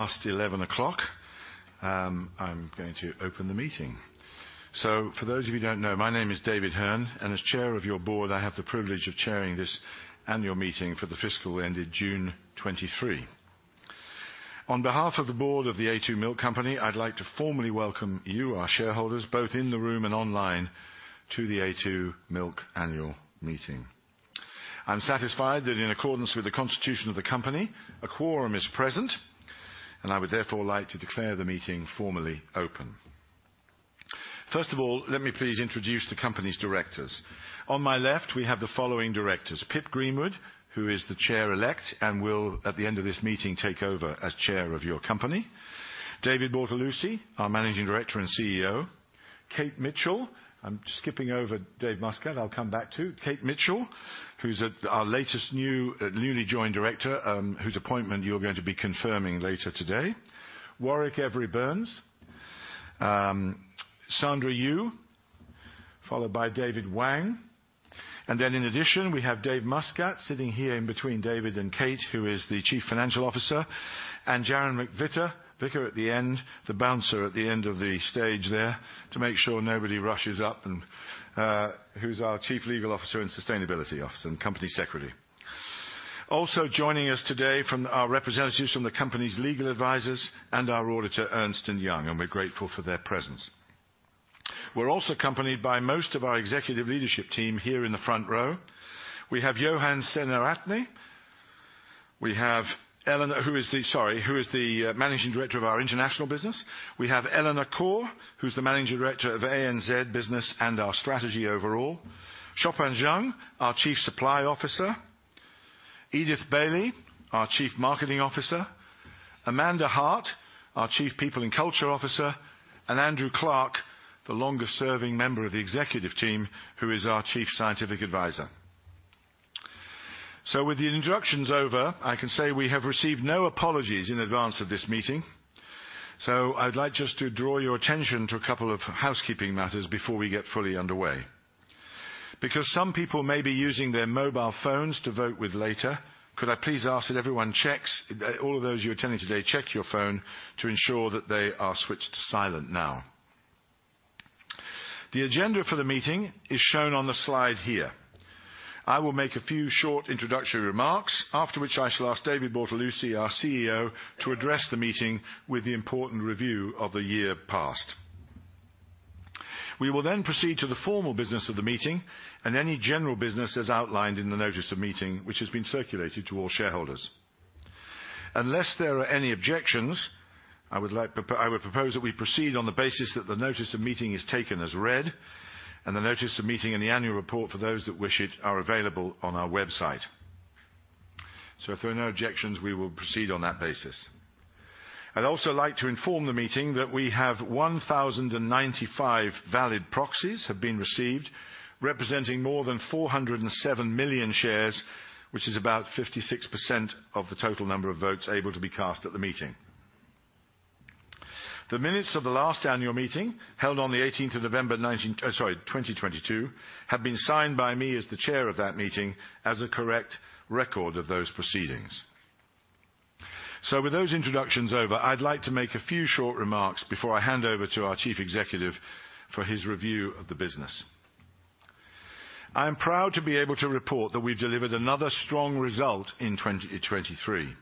Past 11 o'clock, I'm going to open the meeting. So for those of you who don't know, my name is David Hearn, and as chair of your board, I have the privilege of chairing this annual meeting for the fiscal end in June 2023. On behalf of the board of The a2 Milk Company, I'd like to formally welcome you, our shareholders, both in the room and online, to the a2 Milk Annual Meeting. I'm satisfied that in accordance with the constitution of the company, a quorum is present, and I would therefore like to declare the meeting formally open. First of all, let me please introduce the company's directors. On my left, we have the following directors: Pip Greenwood, who is the chair elect, and will, at the end of this meeting, take over as chair of your company. David Bortolussi, our Managing Director and CEO. Kate Mitchell. I'm just skipping over David Muscat, I'll come back to. Kate Mitchell, who's at, our latest, new, newly joined director, whose appointment you're going to be confirming later today. Warwick Every-Burns, Sandra Yu, followed by David Wang. And then in addition, we have David Muscat, sitting here in between David and Kate, who is the Chief Financial Officer, and Jaron McVicar at the end, the bouncer at the end of the stage there, to make sure nobody rushes up and, who's our Chief Legal Officer and Sustainability Officer and Company Secretary. Also joining us today from, are representatives from the company's legal advisors and our auditor, Ernst & Young, and we're grateful for their presence. We're also accompanied by most of our Executive Leadership Team here in the front row. We have Yohan Senaratne. We have Eleanor, who is the Managing Director of our International Business. We have Eleanor Khor, who's the Managing Director of ANZ Business and our strategy overall. Xiaopan Zhang, our Chief Supply Officer, Edith Bailey, our Chief Marketing Officer, Amanda Hart, our Chief People and Culture Officer, and Andrew Clarke, the longest-serving member of the executive team, who is our Chief Scientific Advisor. So with the introductions over, I can say we have received no apologies in advance of this meeting. So I'd like just to draw your attention to a couple of housekeeping matters before we get fully underway. Because some people may be using their mobile phones to vote with later, could I please ask that everyone checks, all of those who are attending today, check your phone to ensure that they are switched to silent now. The agenda for the meeting is shown on the slide here. I will make a few short introductory remarks, after which I shall ask David Bortolussi, our CEO, to address the meeting with the important review of the year past. We will then proceed to the formal business of the meeting and any general business as outlined in the notice of meeting, which has been circulated to all shareholders. Unless there are any objections, I would like, I would propose that we proceed on the basis that the notice of meeting is taken as read, and the notice of meeting and the annual report, for those that wish it, are available on our website. So if there are no objections, we will proceed on that basis. I'd also like to inform the meeting that we have 1,095 valid proxies have been received, representing more than 407 million shares, which is about 56% of the total number of votes able to be cast at the meeting. The minutes of the last annual meeting, held on the eighteenth of November, 2022, have been signed by me as the chair of that meeting, as a correct record of those proceedings. So with those introductions over, I'd like to make a few short remarks before I hand over to our Chief Executive for his review of the business. I am proud to be able to report that we've delivered another strong result in 2023.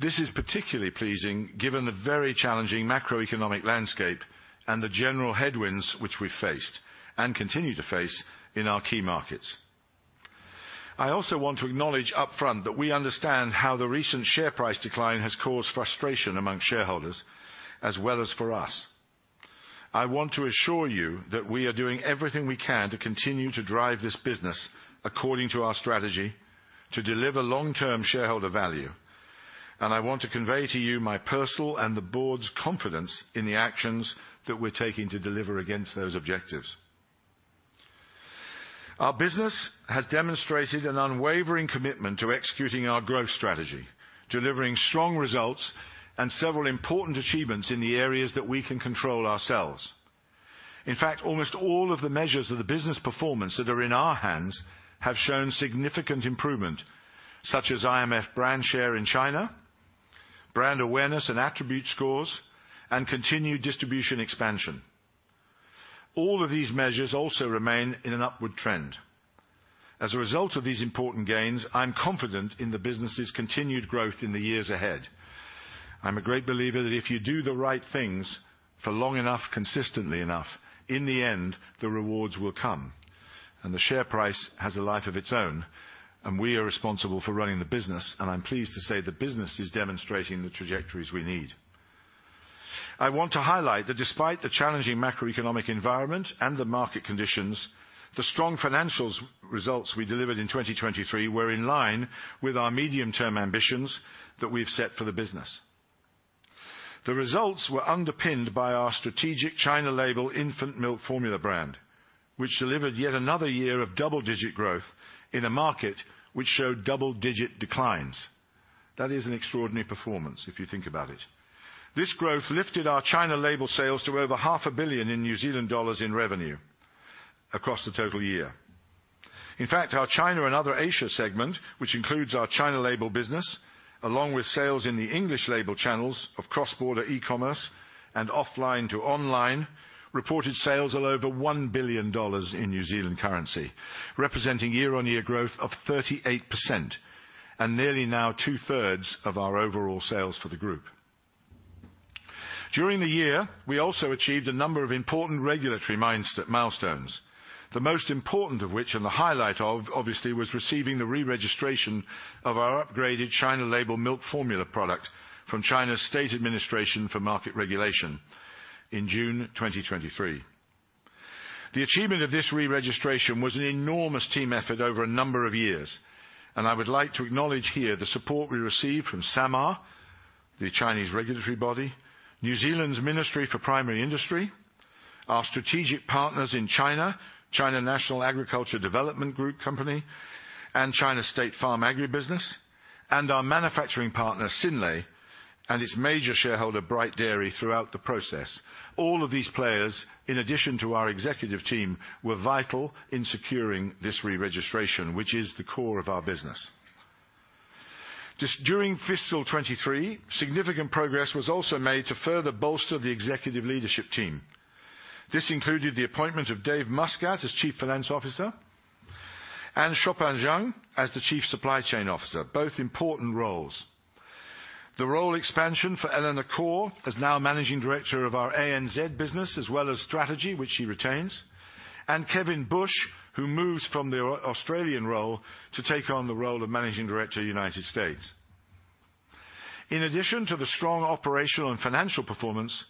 This is particularly pleasing, given the very challenging macroeconomic landscape and the general headwinds which we faced and continue to face in our key markets. I also want to acknowledge upfront that we understand how the recent share price decline has caused frustration among shareholders, as well as for us. I want to assure you that we are doing everything we can to continue to drive this business according to our strategy to deliver long-term shareholder value, and I want to convey to you my personal and the board's confidence in the actions that we're taking to deliver against those objectives. Our business has demonstrated an unwavering commitment to executing our growth strategy, delivering strong results and several important achievements in the areas that we can control ourselves. In fact, almost all of the measures of the business performance that are in our hands have shown significant improvement, such as IMF brand share in China, brand awareness and attribute scores, and continued distribution expansion. All of these measures also remain in an upward trend. As a result of these important gains, I'm confident in the business's continued growth in the years ahead. I'm a great believer that if you do the right things for long enough, consistently enough, in the end, the rewards will come, and the share price has a life of its own, and we are responsible for running the business, and I'm pleased to say the business is demonstrating the trajectories we need. I want to highlight that despite the challenging macroeconomic environment and the market conditions, the strong financial results we delivered in 2023 were in line with our medium-term ambitions that we've set for the business. The results were underpinned by our strategic China label infant milk formula brand, which delivered yet another year of double-digit growth in a market which showed double-digit declines. That is an extraordinary performance, if you think about it. This growth lifted our China label sales to over 500 million New Zealand dollars in revenue across the total year. In fact, our China and other Asia segment, which includes our China label business, along with sales in the English label channels of cross-border e-commerce and offline to online, reported sales of over 1 billion dollars in New Zealand currency, representing year-on-year growth of 38%, and nearly now 2/3 of our overall sales for the group. During the year, we also achieved a number of important regulatory milestones, the most important of which, and the highlight of, obviously, was receiving the re-registration of our upgraded China label milk formula product from China's State Administration for Market Regulation in June 2023. The achievement of this re-registration was an enormous team effort over a number of years, and I would like to acknowledge here the support we received from SAMR, the Chinese regulatory body, New Zealand's Ministry for Primary Industries, our strategic partners in China, China National Agriculture Development Group Company, and China State Farm Agribusiness, and our manufacturing partner, Synlait, and its major shareholder, Bright Dairy, throughout the process. All of these players, in addition to our executive team, were vital in securing this re-registration, which is the core of our business. Just during fiscal 2023, significant progress was also made to further bolster the executive leadership team. This included the appointment of Dave Muscat as Chief Financial Officer and Xiaopan Zhang as the Chief Supply Chain Officer, both important roles. The role expansion for Eleanor Khor, as now Managing Director of our ANZ business, as well as strategy, which she retains, and Kevin Bush, who moves from the Australian role to take on the role of Managing Director, United States. In addition to the strong operational and financial performance,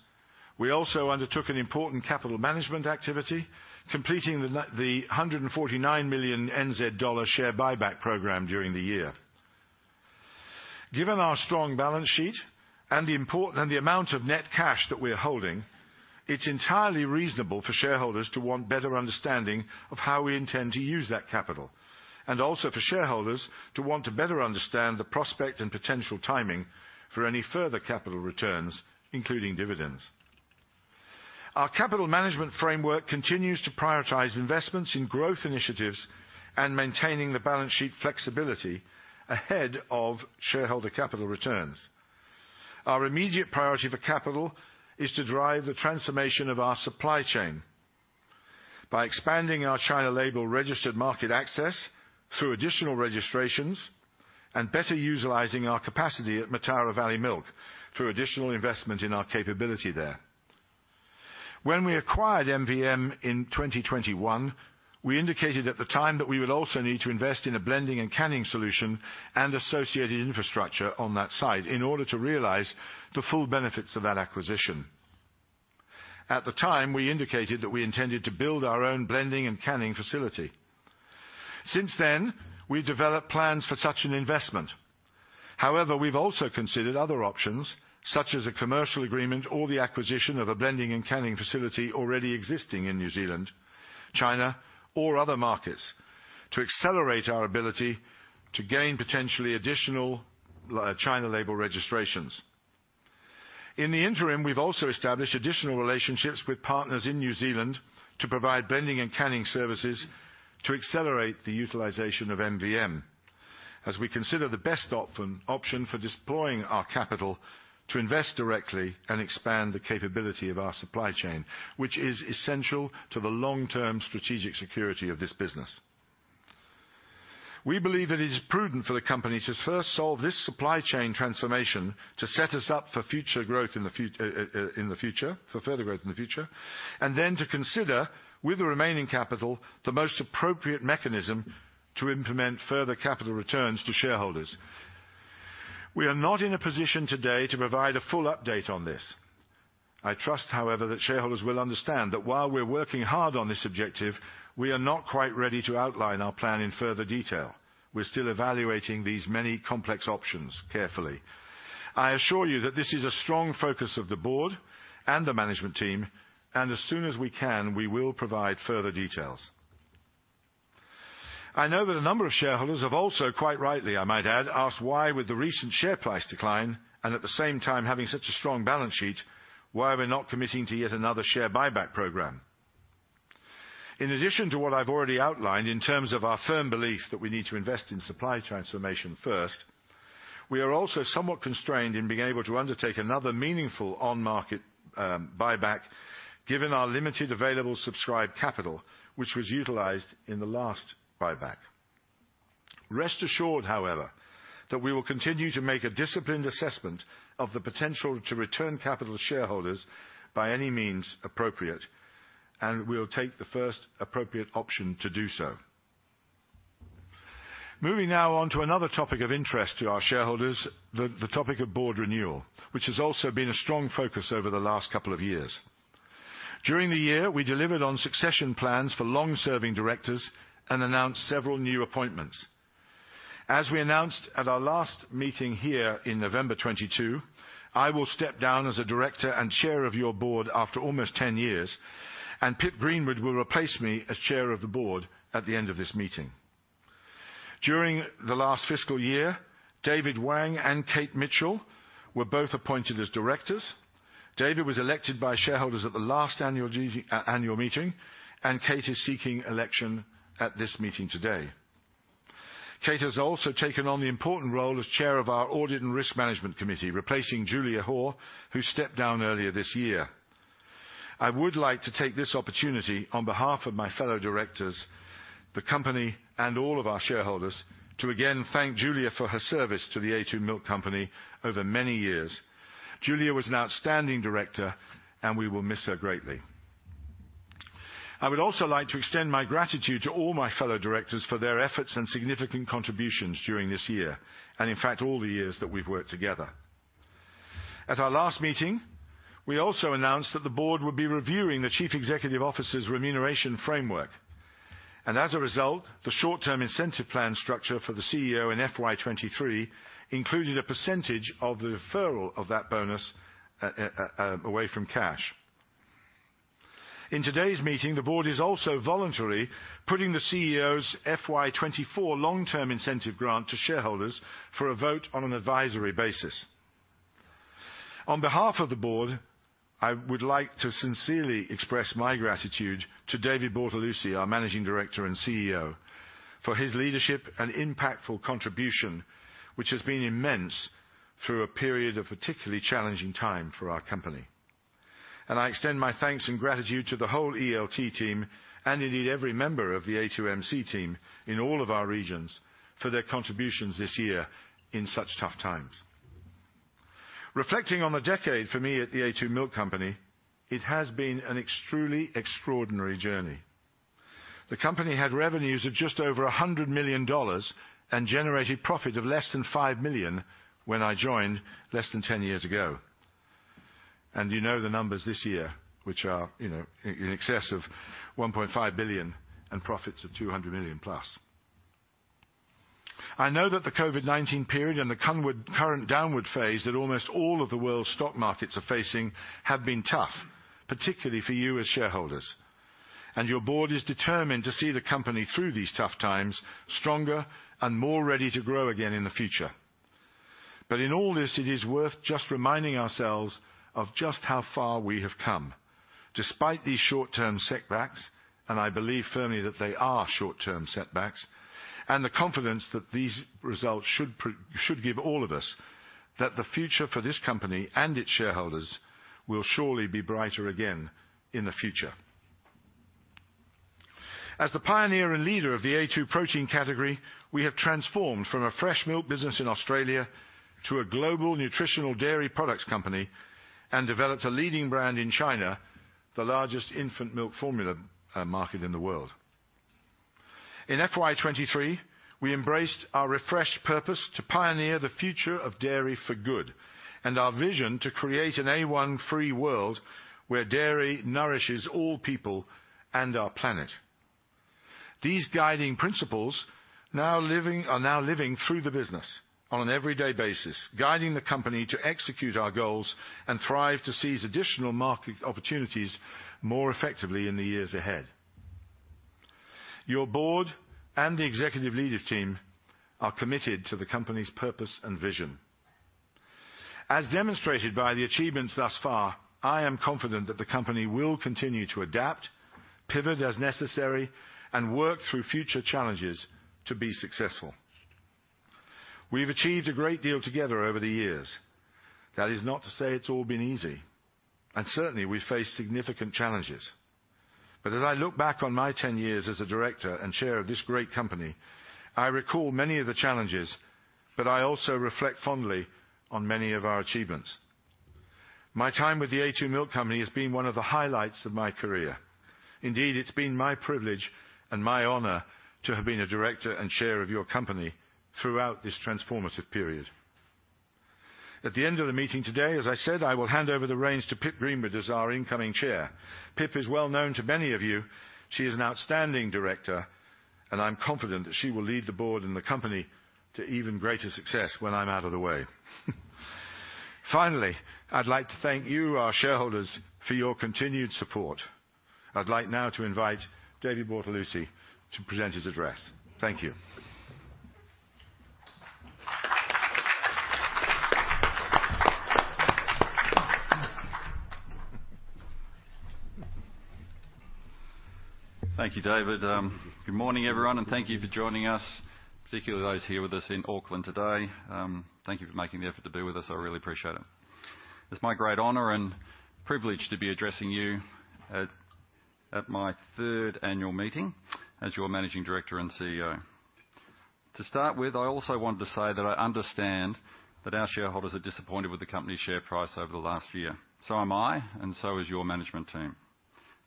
we also undertook an important capital management activity, completing the 149 million NZ dollar share buyback program during the year. Given our strong balance sheet and the amount of net cash that we're holding, it's entirely reasonable for shareholders to want better understanding of how we intend to use that capital, and also for shareholders to want to better understand the prospect and potential timing for any further capital returns, including dividends. Our capital management framework continues to prioritize investments in growth initiatives and maintaining the balance sheet flexibility ahead of shareholder capital returns. Our immediate priority for capital is to drive the transformation of our supply chain by expanding our China label registered market access through additional registrations and better utilizing our capacity at Mataura Valley Milk through additional investment in our capability there. When we acquired MVM in 2021, we indicated at the time that we would also need to invest in a blending and canning solution and associated infrastructure on that site in order to realize the full benefits of that acquisition. At the time, we indicated that we intended to build our own blending and canning facility. Since then, we've developed plans for such an investment. However, we've also considered other options, such as a commercial agreement or the acquisition of a blending and canning facility already existing in New Zealand, China, or other markets, to accelerate our ability to gain potentially additional China label registrations. In the interim, we've also established additional relationships with partners in New Zealand to provide blending and canning services to accelerate the utilization of MVM, as we consider the best option for deploying our capital to invest directly and expand the capability of our supply chain, which is essential to the long-term strategic security of this business. We believe it is prudent for the company to first solve this supply chain transformation to set us up for future growth in the future, for further growth in the future, and then to consider, with the remaining capital, the most appropriate mechanism to implement further capital returns to shareholders. We are not in a position today to provide a full update on this. I trust, however, that shareholders will understand that while we're working hard on this objective, we are not quite ready to outline our plan in further detail. We're still evaluating these many complex options carefully. I assure you that this is a strong focus of the board and the management team, and as soon as we can, we will provide further details. I know that a number of shareholders have also, quite rightly, I might add, asked why, with the recent share price decline, and at the same time having such a strong balance sheet, why are we not committing to yet another share buyback program? In addition to what I've already outlined, in terms of our firm belief that we need to invest in supply transformation first, we are also somewhat constrained in being able to undertake another meaningful on-market buyback, given our limited available subscribed capital, which was utilized in the last buyback. Rest assured, however, that we will continue to make a disciplined assessment of the potential to return capital to shareholders by any means appropriate, and we'll take the first appropriate option to do so. Moving now on to another topic of interest to our shareholders, the topic of board renewal, which has also been a strong focus over the last couple of years. During the year, we delivered on succession plans for long-serving directors and announced several new appointments. As we announced at our last meeting here in November 2022, I will step down as a director and chair of your board after almost 10 years, and Pip Greenwood will replace me as chair of the board at the end of this meeting. During the last fiscal year, David Wang and Kate Mitchell were both appointed as directors. David was elected by shareholders at the last annual meeting, and Kate is seeking election at this meeting today. Kate has also taken on the important role as Chair of our Audit and Risk Management Committee, replacing Julia Hoare, who stepped down earlier this year. I would like to take this opportunity, on behalf of my fellow directors, the company, and all of our shareholders, to again thank Julia for her service to the a2 Milk Company over many years. Julia was an outstanding director, and we will miss her greatly. I would also like to extend my gratitude to all my fellow directors for their efforts and significant contributions during this year, and in fact, all the years that we've worked together. At our last meeting, we also announced that the board would be reviewing the Chief Executive Officer's remuneration framework. As a result, the short-term incentive plan structure for the CEO in FY 2023 included a percentage of the deferral of that bonus away from cash. In today's meeting, the board is also voluntarily putting the CEO's FY 2024 long-term incentive grant to shareholders for a vote on an advisory basis. On behalf of the board, I would like to sincerely express my gratitude to David Bortolussi, our managing director and CEO, for his leadership and impactful contribution, which has been immense through a period of particularly challenging time for our company. I extend my thanks and gratitude to the whole ELT team, and indeed every member of the a2MC team in all of our regions, for their contributions this year in such tough times. Reflecting on a decade for me at the a2 Milk Company, it has been an extremely extraordinary journey. The company had revenues of just over 100 million dollars and generated profit of less than 5 million when I joined less than 10 years ago. And you know the numbers this year, which are, you know, in excess of 1.5 billion and profits of 200 million+. I know that the COVID-19 period and the current downward phase that almost all of the world's stock markets are facing have been tough, particularly for you as shareholders. And your board is determined to see the company through these tough times, stronger and more ready to grow again in the future. But in all this, it is worth just reminding ourselves of just how far we have come. Despite these short-term setbacks, and I believe firmly that they are short-term setbacks, and the confidence that these results should give all of us, that the future for this company and its shareholders will surely be brighter again in the future. As the pioneer and leader of the A2 protein category, we have transformed from a fresh milk business in Australia to a global nutritional dairy products company and developed a leading brand in China, the largest infant milk formula market in the world. In FY 2023, we embraced our refreshed purpose to pioneer the future of dairy for good and our vision to create an A1-free world where dairy nourishes all people and our planet. These guiding principles, now living, are now living through the business on an everyday basis, guiding the company to execute our goals and thrive to seize additional market opportunities more effectively in the years ahead. Your board and the executive leadership team are committed to the company's purpose and vision. As demonstrated by the achievements thus far, I am confident that the company will continue to adapt, pivot as necessary, and work through future challenges to be successful. We've achieved a great deal together over the years. That is not to say it's all been easy, and certainly, we face significant challenges. But as I look back on my ten years as a director and chair of this great company, I recall many of the challenges, but I also reflect fondly on many of our achievements. My time with The a2 Milk Company has been one of the highlights of my career. Indeed, it's been my privilege and my honor to have been a director and chair of your company throughout this transformative period. At the end of the meeting today, as I said, I will hand over the reins to Pip Greenwood as our incoming chair. Pip is well known to many of you. She is an outstanding director, and I'm confident that she will lead the board and the company to even greater success when I'm out of the way. Finally, I'd like to thank you, our shareholders, for your continued support. I'd like now to invite David Bortolussi to present his address. Thank you. Thank you, David. Good morning, everyone, and thank you for joining us, particularly those here with us in Auckland today. Thank you for making the effort to be with us. I really appreciate it. It's my great honor and privilege to be addressing you at my third annual meeting as your Managing Director and CEO. To start with, I also want to say that I understand that our shareholders are disappointed with the company's share price over the last year. So am I, and so is your management team.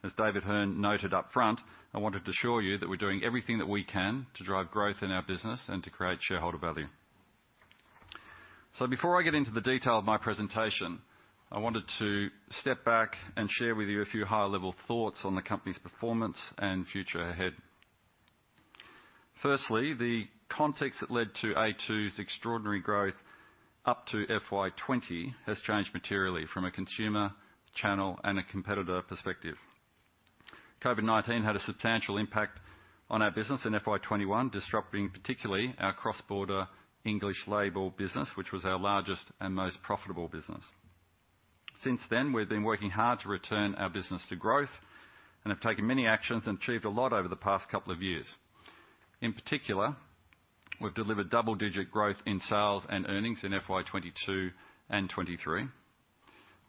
As David Hearn noted up front, I want to assure you that we're doing everything that we can to drive growth in our business and to create shareholder value. So before I get into the detail of my presentation, I wanted to step back and share with you a few high-level thoughts on the company's performance and future ahead. Firstly, the context that led to a2's extraordinary growth up to FY 2020 has changed materially from a consumer, channel, and a competitor perspective... COVID-19 had a substantial impact on our business in FY 2021, disrupting particularly our cross-border English label business, which was our largest and most profitable business. Since then, we've been working hard to return our business to growth and have taken many actions and achieved a lot over the past couple of years. In particular, we've delivered double-digit growth in sales and earnings in FY 2022 and 2023.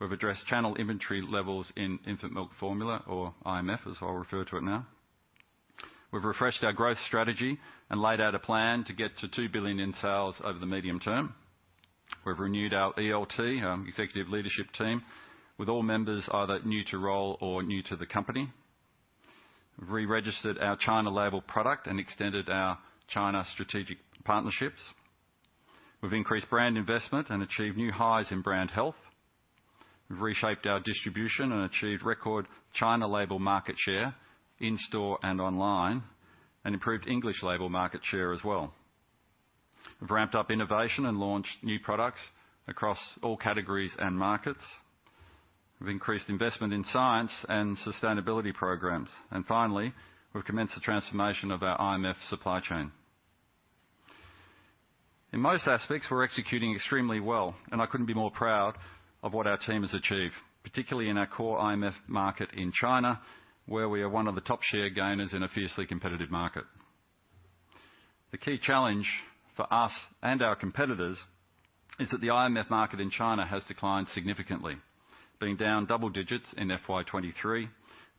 We've addressed channel inventory levels in infant milk formula, or IMF, as I'll refer to it now. We've refreshed our growth strategy and laid out a plan to get to 2 billion in sales over the medium term. We've renewed our ELT, executive leadership team, with all members either new to role or new to the company. We've re-registered our China label product and extended our China strategic partnerships. We've increased brand investment and achieved new highs in brand health. We've reshaped our distribution and achieved record China label market share in-store and online, and improved English label market share as well. We've ramped up innovation and launched new products across all categories and markets. We've increased investment in science and sustainability programs. And finally, we've commenced the transformation of our IMF supply chain. In most aspects, we're executing extremely well, and I couldn't be more proud of what our team has achieved, particularly in our core IMF market in China, where we are one of the top share gainers in a fiercely competitive market. The key challenge for us and our competitors is that the IMF market in China has declined significantly, being down double digits in FY 2023,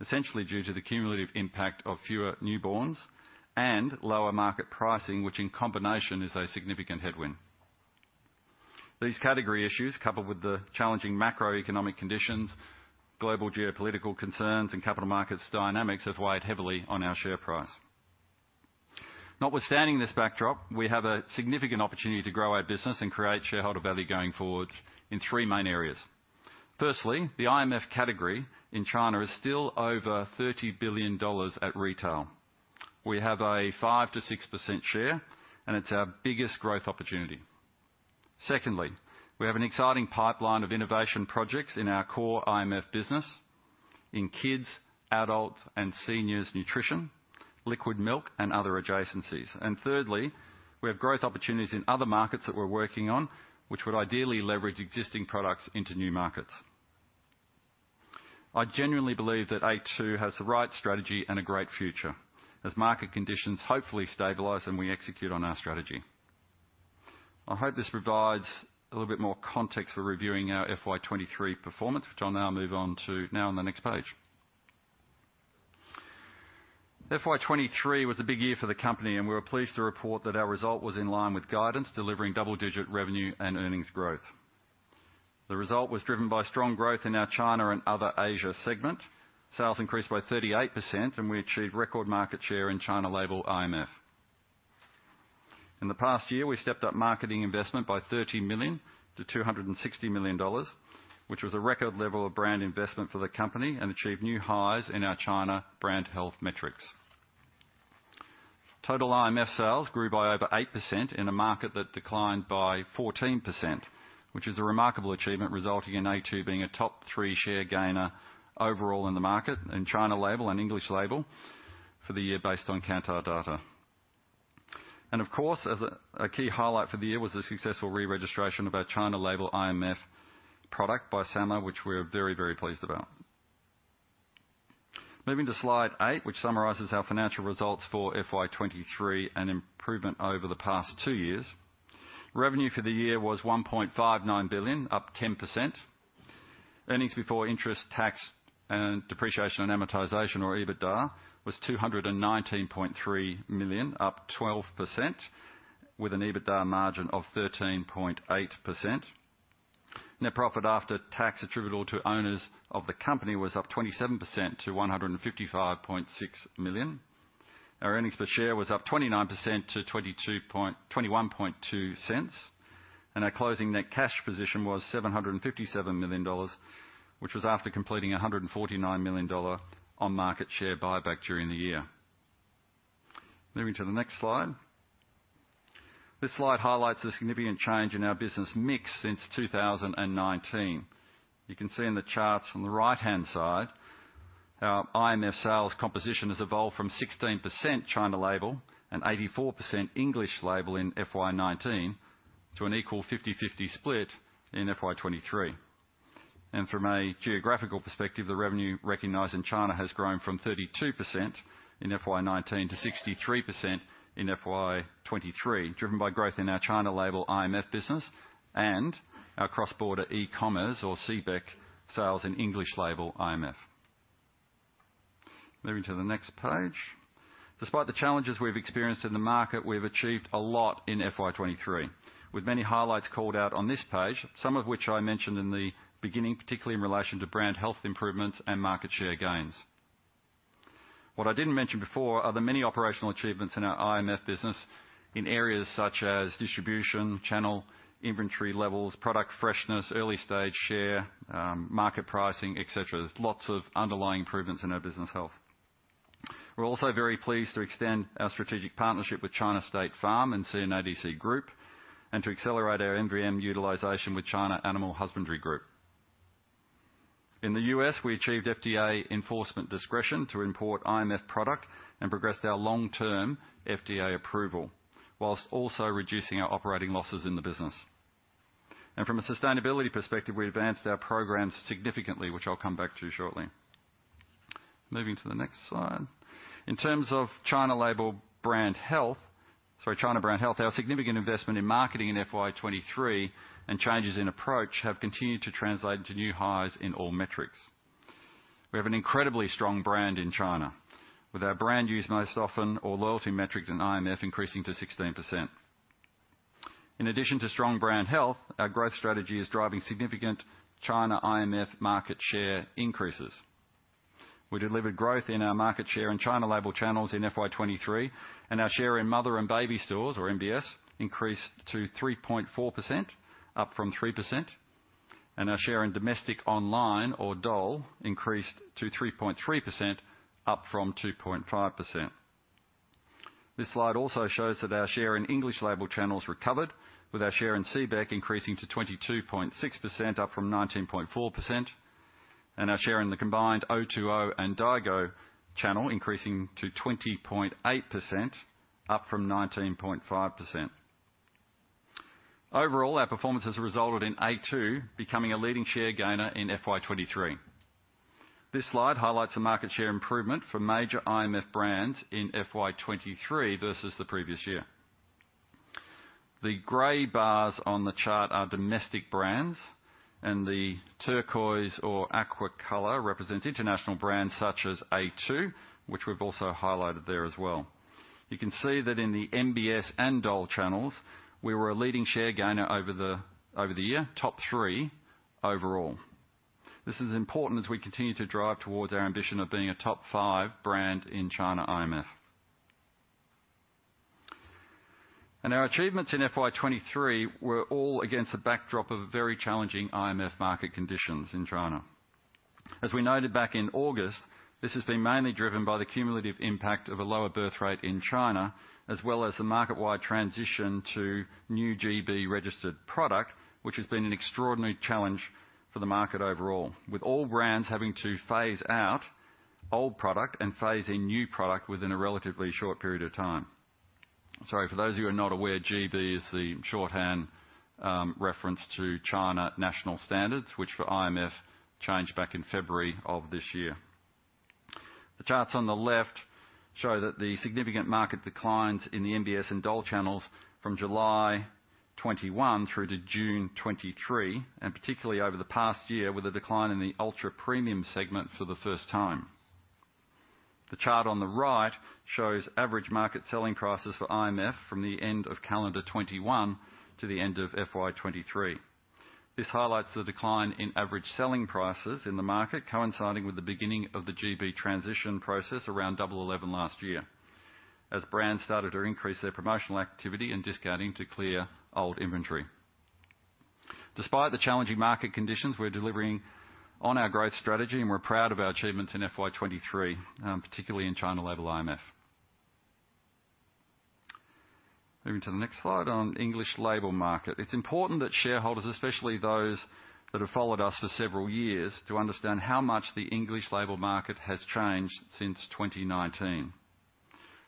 essentially due to the cumulative impact of fewer newborns and lower market pricing, which in combination is a significant headwind. These category issues, coupled with the challenging macroeconomic conditions, global geopolitical concerns, and capital markets dynamics, have weighed heavily on our share price. Notwithstanding this backdrop, we have a significant opportunity to grow our business and create shareholder value going forward in three main areas. Firstly, the IMF category in China is still over $30 billion at retail. We have a 5%-6% share, and it's our biggest growth opportunity. Secondly, we have an exciting pipeline of innovation projects in our core IMF business in kids, adult, and seniors nutrition, liquid milk, and other adjacencies. And thirdly, we have growth opportunities in other markets that we're working on, which would ideally leverage existing products into new markets. I genuinely believe that A2 has the right strategy and a great future as market conditions hopefully stabilize and we execute on our strategy. I hope this provides a little bit more context for reviewing our FY 2023 performance, which I'll now move on to now on the next page. FY 2023 was a big year for the company, and we were pleased to report that our result was in line with guidance, delivering double-digit revenue and earnings growth. The result was driven by strong growth in our China and other Asia segment. Sales increased by 38%, and we achieved record market share in China label IMF. In the past year, we stepped up marketing investment by $30 million-$260 million, which was a record level of brand investment for the company and achieved new highs in our China brand health metrics. Total IMF sales grew by over 8% in a market that declined by 14%, which is a remarkable achievement, resulting in A2 being a top three share gainer overall in the market, in China label and English label for the year based on Kantar data. Of course, as a key highlight for the year was the successful re-registration of our China label IMF product by SAMR, which we're very, very pleased about. Moving to slide eight, which summarizes our financial results for FY 2023, and improvement over the past two years. Revenue for the year was 1.59 billion, up 10%. Earnings before interest, tax, and depreciation and amortization, or EBITDA, was 219.3 million, up 12%, with an EBITDA margin of 13.8%. Net profit after tax attributable to owners of the company was up 27% to 155.6 million. Our earnings per share was up 29% to 0.212, and our closing net cash position was 757 million dollars, which was after completing a 149 million dollar on-market share buyback during the year. Moving to the next slide. This slide highlights a significant change in our business mix since 2019. You can see in the charts on the right-hand side, our IMF sales composition has evolved from 16% China label and 84% English label in FY 2019 to an equal 50/50 split in FY 2023. From a geographical perspective, the revenue recognized in China has grown from 32% in FY 2019-63% in FY 2023, driven by growth in our China label IMF business and our cross-border e-commerce, or CBEC, sales in English label IMF. Moving to the next page. Despite the challenges we've experienced in the market, we've achieved a lot in FY 2023, with many highlights called out on this page, some of which I mentioned in the beginning, particularly in relation to brand health improvements and market share gains. What I didn't mention before are the many operational achievements in our IMF business in areas such as distribution, channel, inventory levels, product freshness, early stage share, market pricing, et cetera. There's lots of underlying improvements in our business health.... We're also very pleased to extend our strategic partnership with China State Farm and CNADC Group, and to accelerate our embryo utilization with China Animal Husbandry Group. In the U.S., we achieved FDA enforcement discretion to import IMF product and progressed our long-term FDA approval, whilst also reducing our operating losses in the business. And from a sustainability perspective, we advanced our programs significantly, which I'll come back to shortly. Moving to the next slide. In terms of China label brand health, sorry, China brand health, our significant investment in marketing in FY 2023 and changes in approach have continued to translate into new highs in all metrics. We have an incredibly strong brand in China, with our brand used most often or loyalty metric in IMF increasing to 16%. In addition to strong brand health, our growth strategy is driving significant China IMF market share increases. We delivered growth in our market share in China label channels in FY 2023, and our share in mother and baby stores, or MBS, increased to 3.4%, up from 3%, and our share in domestic online, or DOL, increased to 3.3%, up from 2.5%. This slide also shows that our share in English label channels recovered, with our share in CBEC increasing to 22.6%, up from 19.4%, and our share in the combined O2O and Daigou channel increasing to 20.8%, up from 19.5%. Overall, our performance has resulted in a2 becoming a leading share gainer in FY 2023. This slide highlights the market share improvement for major IMF brands in FY 2023 versus the previous year. The gray bars on the chart are domestic brands, and the turquoise or aqua color represents international brands such as a2, which we've also highlighted there as well. You can see that in the MBS and DOL channels, we were a leading share gainer over the year, top three overall. This is important as we continue to drive towards our ambition of being a top five brand in China IMF. Our achievements in FY 2023 were all against the backdrop of very challenging IMF market conditions in China. As we noted back in August, this has been mainly driven by the cumulative impact of a lower birth rate in China, as well as the market-wide transition to new GB registered product, which has been an extraordinary challenge for the market overall, with all brands having to phase out old product and phase in new product within a relatively short period of time. Sorry, for those of you who are not aware, GB is the shorthand, reference to China National Standards, which for IMF changed back in February of this year. The charts on the left show that the significant market declines in the MBS and DOL channels from July 2021 through to June 2023, and particularly over the past year, with a decline in the ultra-premium segment for the first time. The chart on the right shows average market selling prices for IMF from the end of calendar 2021 to the end of FY 2023. This highlights the decline in average selling prices in the market, coinciding with the beginning of the GB transition process around Double Eleven last year, as brands started to increase their promotional activity and discounting to clear old inventory. Despite the challenging market conditions, we're delivering on our growth strategy, and we're proud of our achievements in FY 2023, particularly in China label IMF. Moving to the next slide on English label market. It's important that shareholders, especially those that have followed us for several years, to understand how much the English label market has changed since 2019.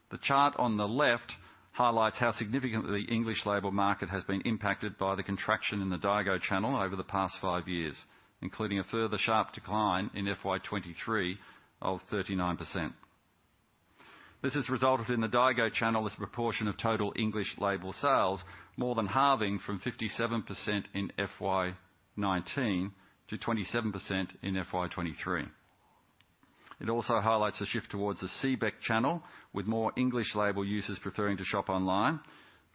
The chart on the left highlights how significant the English label market has been impacted by the contraction in the Daigou channel over the past five years, including a further sharp decline in FY 2023 of 39%. This has resulted in the Daigou channel as a proportion of total English label sales, more than halving from 57% in FY 2019-27% in FY 2023. It also highlights the shift towards the CBEC channel, with more English label users preferring to shop online,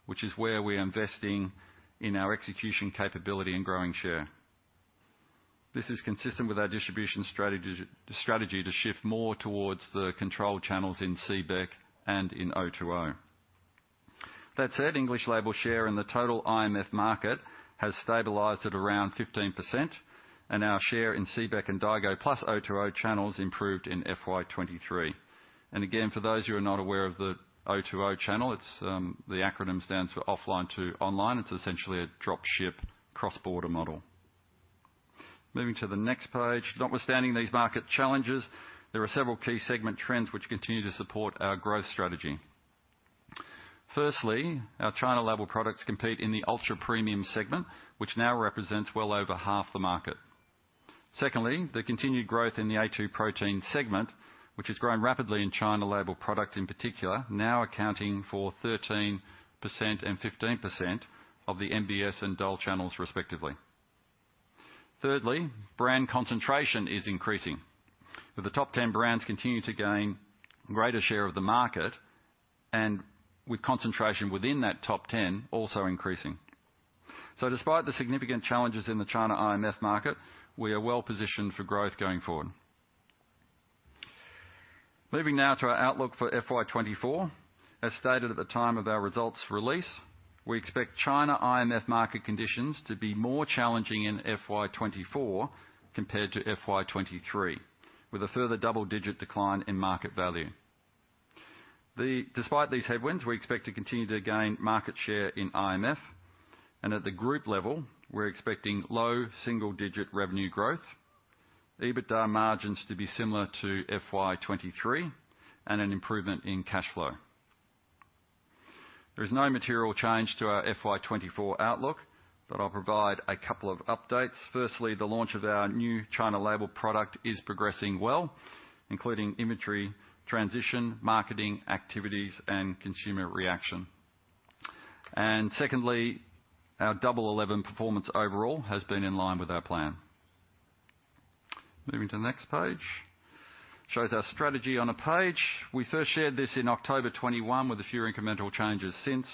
which is where we are investing in our execution capability and growing share. This is consistent with our distribution strategy to shift more towards the controlled channels in CBEC and in O2O. That said, English label share in the total IMF market has stabilized at around 15%, and our share in CBEC and Daigou, +O2O channels, improved in FY 2023. And again, for those who are not aware of the O2O channel, it's the acronym stands for offline to online. It's essentially a drop ship, cross-border model. Moving to the next page. Notwithstanding these market challenges, there are several key segment trends which continue to support our growth strategy. Firstly, our China label products compete in the ultra-premium segment, which now represents well over half the market. Secondly, the continued growth in the a2 protein segment, which has grown rapidly in China label product in particular, now accounting for 13% and 15% of the MBS and DOL channels respectively. Thirdly, brand concentration is increasing, with the top 10 brands continuing to gain greater share of the market and with concentration within that top 10 also increasing. So despite the significant challenges in the China IMF market, we are well positioned for growth going forward. Moving now to our outlook for FY24. As stated at the time of our results release, we expect China IMF market conditions to be more challenging in FY24 compared to FY23, with a further double-digit decline in market value. Despite these headwinds, we expect to continue to gain market share in IMF, and at the group level, we're expecting low single-digit revenue growth, EBITDA margins to be similar to FY23, and an improvement in cash flow. There is no material change to our FY24 outlook, but I'll provide a couple of updates. Firstly, the launch of our new China label product is progressing well, including inventory, transition, marketing activities, and consumer reaction. And secondly, our Double Eleven performance overall has been in line with our plan. Moving to the next page, shows our strategy on a page. We first shared this in October 2021, with a few incremental changes since.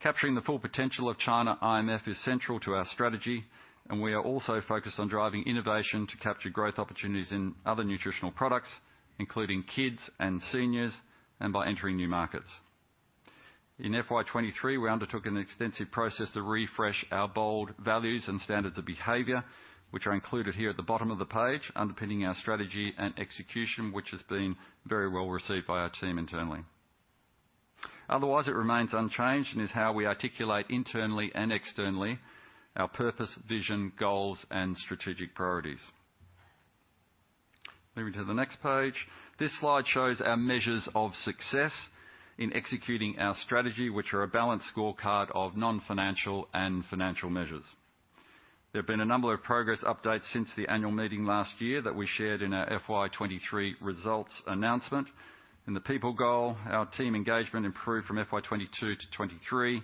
Capturing the full potential of China IMF is central to our strategy, and we are also focused on driving innovation to capture growth opportunities in other nutritional products, including kids and seniors, and by entering new markets. In FY 2023, we undertook an extensive process to refresh our bold values and standards of behavior, which are included here at the bottom of the page, underpinning our strategy and execution, which has been very well received by our team internally. Otherwise, it remains unchanged and is how we articulate internally and externally, our purpose, vision, goals, and strategic priorities. Moving to the next page. This slide shows our measures of success in executing our strategy, which are a balanced scorecard of non-financial and financial measures. There have been a number of progress updates since the annual meeting last year that we shared in our FY 2023 results announcement. In the people goal, our team engagement improved from FY 2022 to 2023.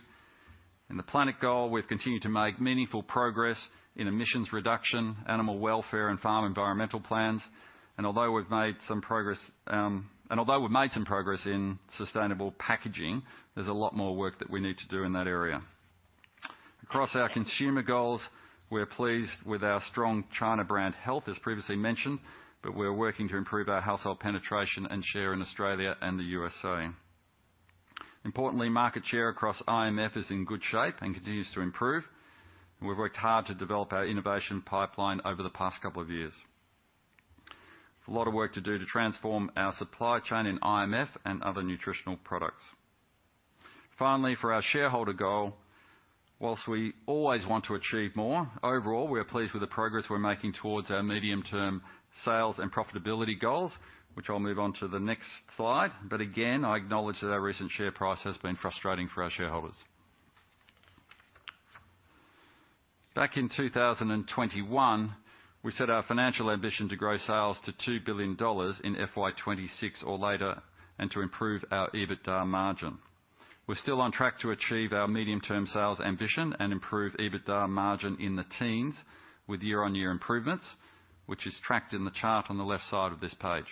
In the planet goal, we've continued to make meaningful progress in emissions reduction, animal welfare, and farm environmental plans. Although we've made some progress in sustainable packaging, there's a lot more work that we need to do in that area. Across our consumer goals, we're pleased with our strong China brand health, as previously mentioned, but we're working to improve our household penetration and share in Australia and the U.S.A. Importantly, market share across IMF is in good shape and continues to improve, and we've worked hard to develop our innovation pipeline over the past couple of years. A lot of work to do to transform our supply chain in IMF and other nutritional products. Finally, for our shareholder goal, whilst we always want to achieve more, overall, we are pleased with the progress we're making towards our medium-term sales and profitability goals, which I'll move on to the next slide. But again, I acknowledge that our recent share price has been frustrating for our shareholders. Back in 2021, we set our financial ambition to grow sales to 2 billion dollars in FY 2026 or later, and to improve our EBITDA margin. We're still on track to achieve our medium-term sales ambition and improve EBITDA margin in the teens with year-on-year improvements, which is tracked in the chart on the left side of this page.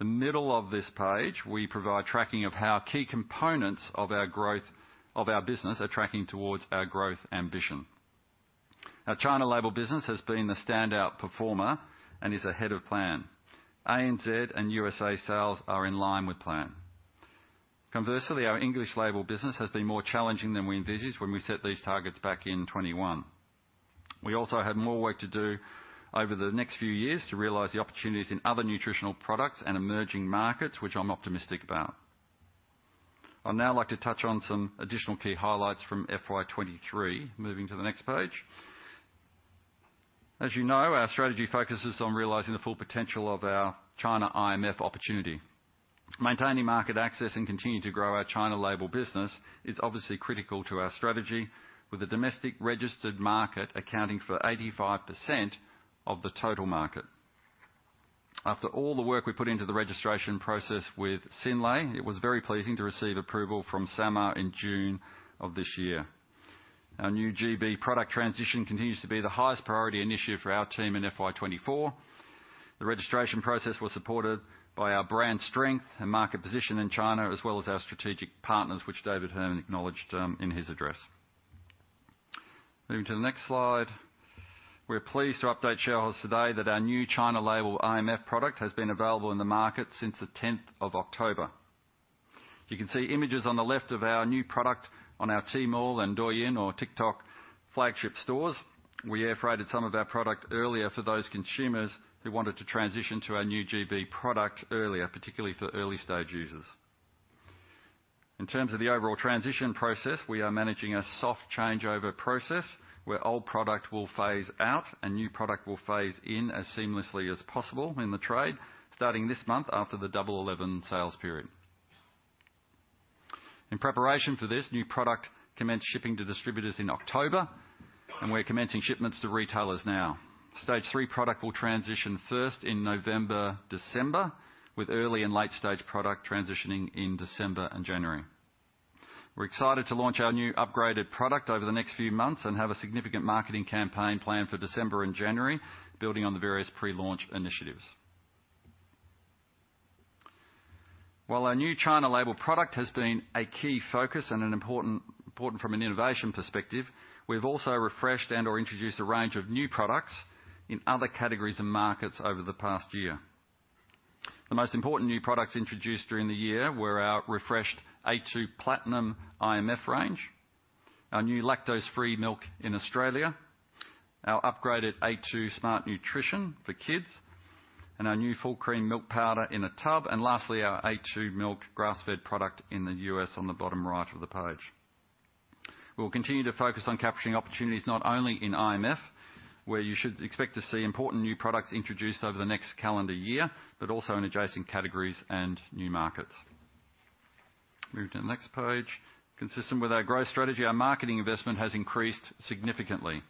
the middle of this page, we provide tracking of how key components of our growth of our business are tracking towards our growth ambition. Our China label business has been the standout performer and is ahead of plan. ANZ and USA sales are in line with plan. Conversely, our English label business has been more challenging than we envisaged when we set these targets back in 2021. We also have more work to do over the next few years to realize the opportunities in other nutritional products and emerging markets, which I'm optimistic about. I'd now like to touch on some additional key highlights from FY 2023. Moving to the next page. As you know, our strategy focuses on realizing the full potential of our China IMF opportunity. Maintaining market access and continuing to grow our China label business is obviously critical to our strategy, with the domestic registered market accounting for 85% of the total market. After all the work we put into the registration process with Synlait, it was very pleasing to receive approval from SAMR in June of this year. Our new GB product transition continues to be the highest priority initiative for our team in FY 2024. The registration process was supported by our brand strength and market position in China, as well as our strategic partners, which David Hearn acknowledged in his address. Moving to the next slide. We're pleased to update shareholders today that our new China label IMF product has been available in the market since the tenth of October. You can see images on the left of our new product on our Tmall and Douyin or TikTok flagship stores. We air freighted some of our product earlier for those consumers who wanted to transition to our new GB product earlier, particularly for early-stage users. In terms of the overall transition process, we are managing a soft changeover process, where old product will phase out and new product will phase in as seamlessly as possible in the trade, starting this month after the Double Eleven sales period. In preparation for this, new product commenced shipping to distributors in October, and we're commencing shipments to retailers now. Stage three product will transition first in November, December, with early and late-stage product transitioning in December and January. We're excited to launch our new upgraded product over the next few months and have a significant marketing campaign planned for December and January, building on the various pre-launch initiatives. While our new China label product has been a key focus and an important, important from an innovation perspective, we've also refreshed and/or introduced a range of new products in other categories and markets over the past year.... The most important new products introduced during the year were our refreshed a2 Platinum IMF range, our new lactose-free milk in Australia, our upgraded a2 Smart Nutrition for kids, and our new full cream milk powder in a tub, and lastly, our a2 Milk Grassfed product in the U.S. on the bottom right of the page. We'll continue to focus on capturing opportunities, not only in IMF, where you should expect to see important new products introduced over the next calendar year, but also in adjacent categories and new markets. Moving to the next page. Consistent with our growth strategy, our marketing investment has increased significantly.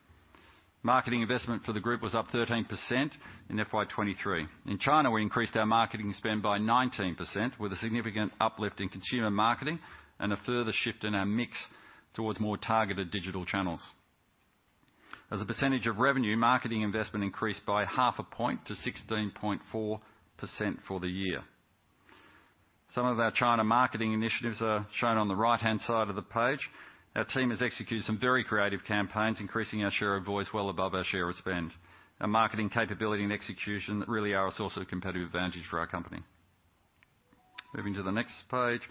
Marketing investment for the group was up 13% in FY 2023. In China, we increased our marketing spend by 19%, with a significant uplift in consumer marketing and a further shift in our mix towards more targeted digital channels. As a percentage of revenue, marketing investment increased by 0.5% to 16.4% for the year. Some of our China marketing initiatives are shown on the right-hand side of the page. Our team has executed some very creative campaigns, increasing our share of voice well above our share of spend. Our marketing capability and execution really are a source of competitive advantage for our company. Moving to the next page.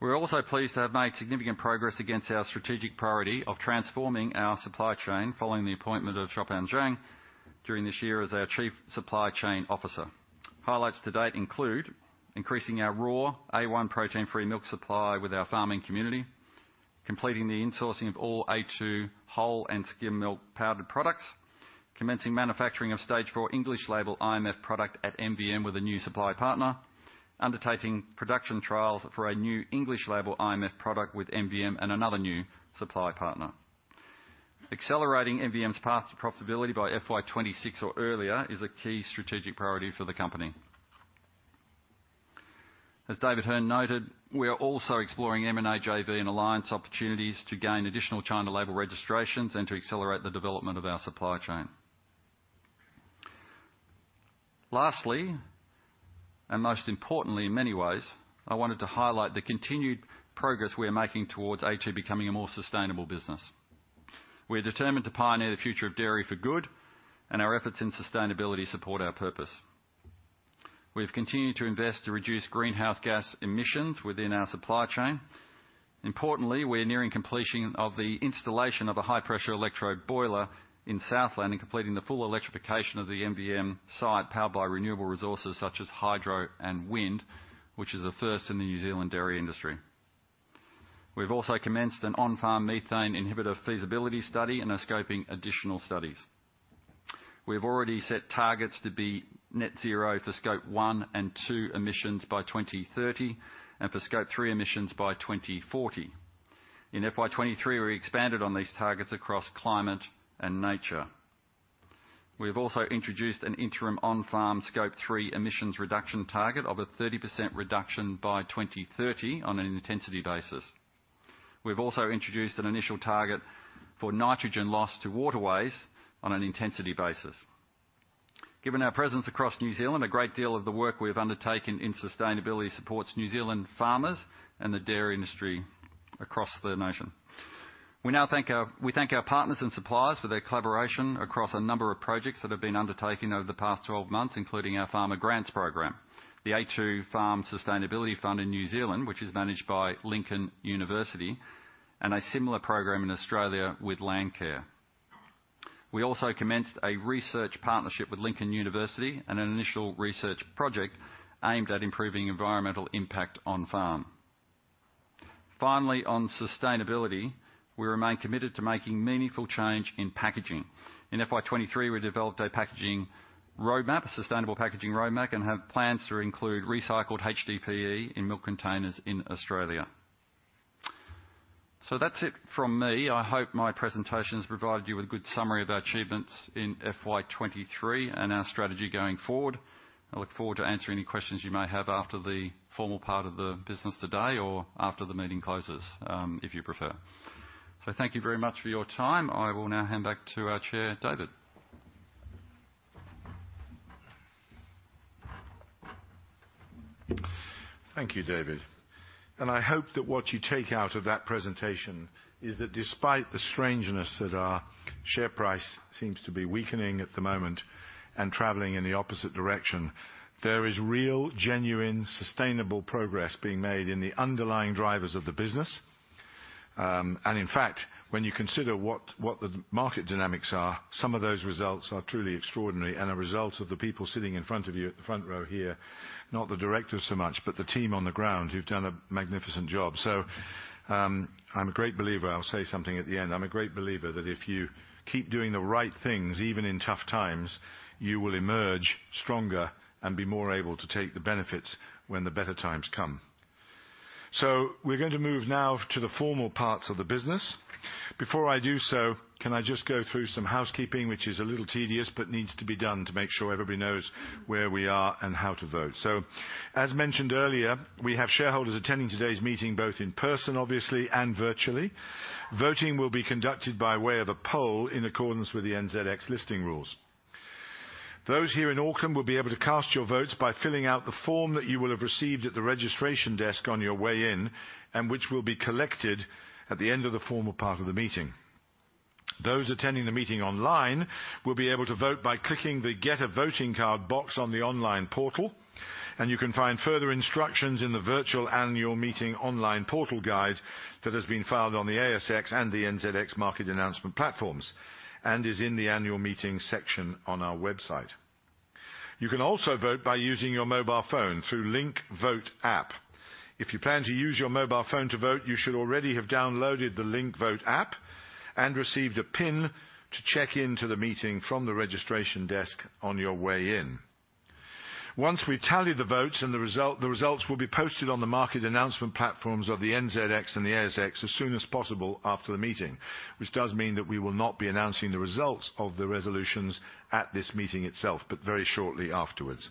We're also pleased to have made significant progress against our strategic priority of transforming our supply chain, following the appointment of Xiaopan Zhang during this year as our Chief Supply Chain Officer. Highlights to date include increasing our raw A1 protein-free milk supply with our farming community, completing the insourcing of all a2 whole and skim milk powdered products, commencing manufacturing of Stage 4 English label IMF product at MVM with a new supply partner, undertaking production trials for a new English label IMF product with MVM and another new supply partner. Accelerating MVM's path to profitability by FY 2026 or earlier is a key strategic priority for the company. As David Hearn noted, we are also exploring M&A, JV, and alliance opportunities to gain additional China label registrations and to accelerate the development of our supply chain. Lastly, and most importantly, in many ways, I wanted to highlight the continued progress we are making towards a2 becoming a more sustainable business. We are determined to pioneer the future of dairy for good, and our efforts in sustainability support our purpose. We've continued to invest to reduce greenhouse gas emissions within our supply chain. Importantly, we are nearing completion of the installation of a high-pressure electro boiler in Southland and completing the full electrification of the MVM site, powered by renewable resources such as hydro and wind, which is a first in the New Zealand dairy industry. We've also commenced an on-farm methane inhibitor feasibility study and are scoping additional studies. We've already set targets to be net zero for Scope one and two emissions by 2030, and for Scope three emissions by 2040. In FY23, we expanded on these targets across climate and nature. We have also introduced an interim on-farm Scope three emissions reduction target of a 30% reduction by 2030 on an intensity basis. We've also introduced an initial target for nitrogen loss to waterways on an intensity basis. Given our presence across New Zealand, a great deal of the work we've undertaken in sustainability supports New Zealand farmers and the dairy industry across the nation. We thank our partners and suppliers for their collaboration across a number of projects that have been undertaken over the past 12 months, including our Farmer Grants program, the a2 Farm Sustainability Fund in New Zealand, which is managed by Lincoln University, and a similar program in Australia with Landcare. We also commenced a research partnership with Lincoln University and an initial research project aimed at improving environmental impact on-farm. Finally, on sustainability, we remain committed to making meaningful change in packaging. In FY 2023, we developed a packaging roadmap, a sustainable packaging roadmap, and have plans to include recycled HDPE in milk containers in Australia. So that's it from me. I hope my presentation has provided you with a good summary of our achievements in FY 2023 and our strategy going forward. I look forward to answering any questions you may have after the formal part of the business today or after the meeting closes, if you prefer. So thank you very much for your time. I will now hand back to our chair, David. Thank you, David. And I hope that what you take out of that presentation is that despite the strangeness that our share price seems to be weakening at the moment and traveling in the opposite direction, there is real, genuine, sustainable progress being made in the underlying drivers of the business. And in fact, when you consider what the market dynamics are, some of those results are truly extraordinary and a result of the people sitting in front of you at the front row here, not the directors so much, but the team on the ground, who've done a magnificent job. So, I'm a great believer, I'll say something at the end. I'm a great believer that if you keep doing the right things, even in tough times, you will emerge stronger and be more able to take the benefits when the better times come. So we're going to move now to the formal parts of the business. Before I do so, can I just go through some housekeeping, which is a little tedious, but needs to be done to make sure everybody knows where we are and how to vote. So, as mentioned earlier, we have shareholders attending today's meeting, both in person, obviously, and virtually. Voting will be conducted by way of a poll, in accordance with the NZX listing rules. Those here in Auckland will be able to cast your votes by filling out the form that you will have received at the registration desk on your way in, and which will be collected at the end of the formal part of the meeting. Those attending the meeting online will be able to vote by clicking the Get a Voting Card box on the online portal, and you can find further instructions in the Virtual Annual Meeting Online Portal Guide that has been filed on the ASX and the NZX market announcement platforms, and is in the Annual Meetings section on our website. You can also vote by using your mobile phone through LinkVote app. If you plan to use your mobile phone to vote, you should already have downloaded the LinkVote app and received a PIN to check in to the meeting from the registration desk on your way in. Once we tally the votes and the result, the results will be posted on the market announcement platforms of the NZX and the ASX as soon as possible after the meeting, which does mean that we will not be announcing the results of the resolutions at this meeting itself, but very shortly afterwards.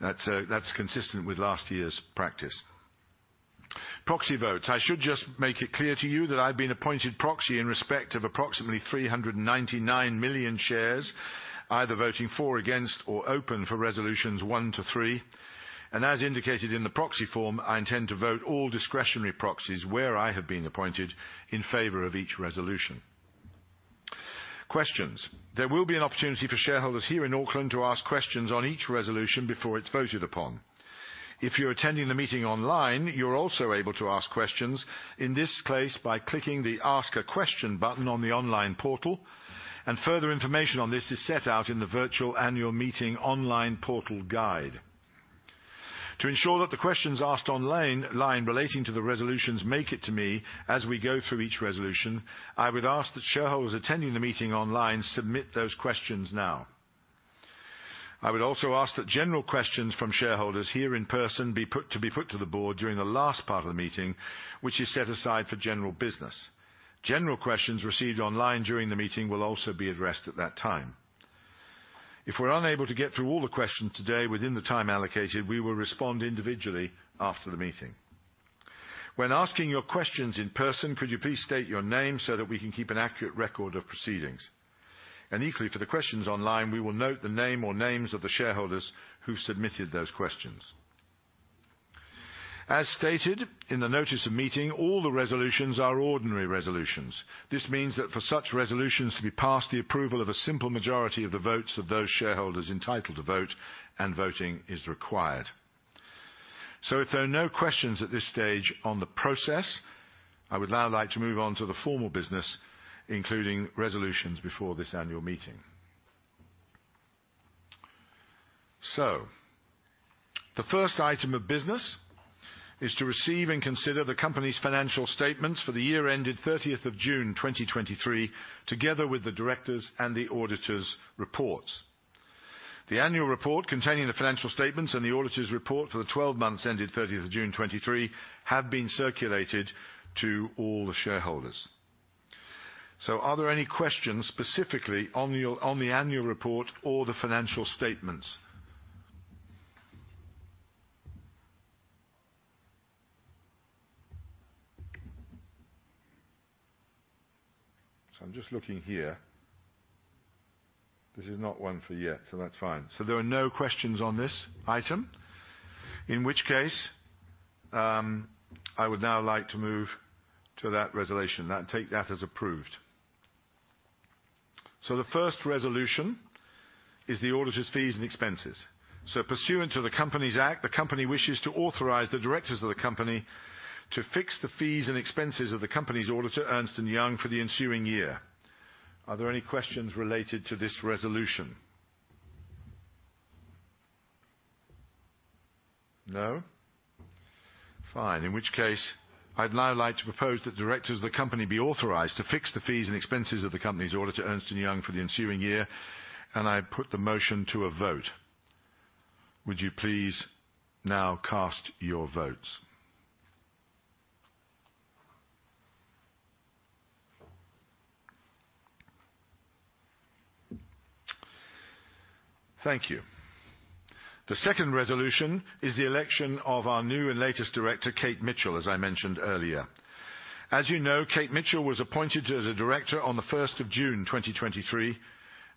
That's, that's consistent with last year's practice. Proxy votes. I should just make it clear to you that I've been appointed proxy in respect of approximately 399 million shares, either voting for, against, or open for resolutions one to three, and as indicated in the proxy form, I intend to vote all discretionary proxies where I have been appointed in favor of each resolution. Questions. There will be an opportunity for shareholders here in Auckland to ask questions on each resolution before it's voted upon. If you're attending the meeting online, you're also able to ask questions, in this case, by clicking the Ask a Question button on the online portal, and further information on this is set out in the Virtual Annual Meeting Online Portal Guide. To ensure that the questions asked online relating to the resolutions make it to me as we go through each resolution, I would ask that shareholders attending the meeting online submit those questions now. I would also ask that general questions from shareholders here in person be put to the board during the last part of the meeting, which is set aside for general business. General questions received online during the meeting will also be addressed at that time. If we're unable to get through all the questions today within the time allocated, we will respond individually after the meeting. When asking your questions in person, could you please state your name so that we can keep an accurate record of proceedings? And equally, for the questions online, we will note the name or names of the shareholders who submitted those questions. As stated in the notice of meeting, all the resolutions are ordinary resolutions. This means that for such resolutions to be passed, the approval of a simple majority of the votes of those shareholders entitled to vote and voting is required. If there are no questions at this stage on the process, I would now like to move on to the formal business, including resolutions before this annual meeting. The first item of business is to receive and consider the company's financial statements for the year ended thirtieth of June 2023, together with the directors' and the auditors' reports. The annual report, containing the financial statements and the auditors' report for the 12 months ended June 30th 2023, have been circulated to all the shareholders. So are there any questions specifically on the annual report or the financial statements? So I'm just looking here. This is not one for yet, so that's fine. So there are no questions on this item, in which case, I would now like to move to that resolution, and take that as approved. So the first resolution is the auditor's fees and expenses. So pursuant to the Companies Act, the company wishes to authorize the directors of the company to fix the fees and expenses of the company's auditor, Ernst & Young, for the ensuing year. Are there any questions related to this resolution? No? Fine. In which case, I'd now like to propose that the directors of the company be authorized to fix the fees and expenses of the company's auditor, Ernst & Young, for the ensuing year, and I put the motion to a vote. Would you please now cast your votes? Thank you. The second resolution is the election of our new and latest director, Kate Mitchell, as I mentioned earlier. As you know, Kate Mitchell was appointed as a director on the first of June, twenty twenty-three,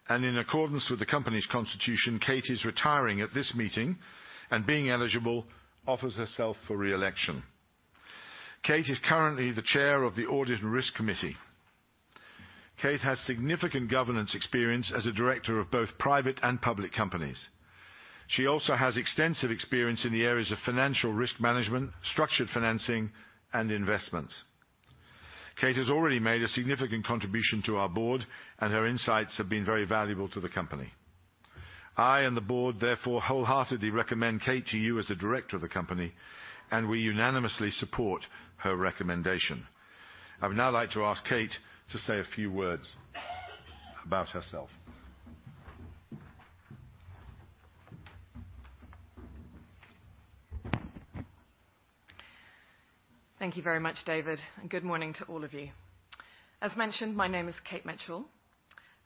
and in accordance with the company's constitution, Kate is retiring at this meeting, and being eligible, offers herself for re-election. Kate is currently the chair of the Audit and Risk Committee. Kate has significant governance experience as a director of both private and public companies. She also has extensive experience in the areas of financial risk management, structured financing, and investments. Kate has already made a significant contribution to our board, and her insights have been very valuable to the company. I and the board therefore wholeheartedly recommend Kate to you as a director of the company, and we unanimously support her recommendation. I would now like to ask Kate to say a few words about herself. Thank you very much, David, and good morning to all of you. As mentioned, my name is Kate Mitchell,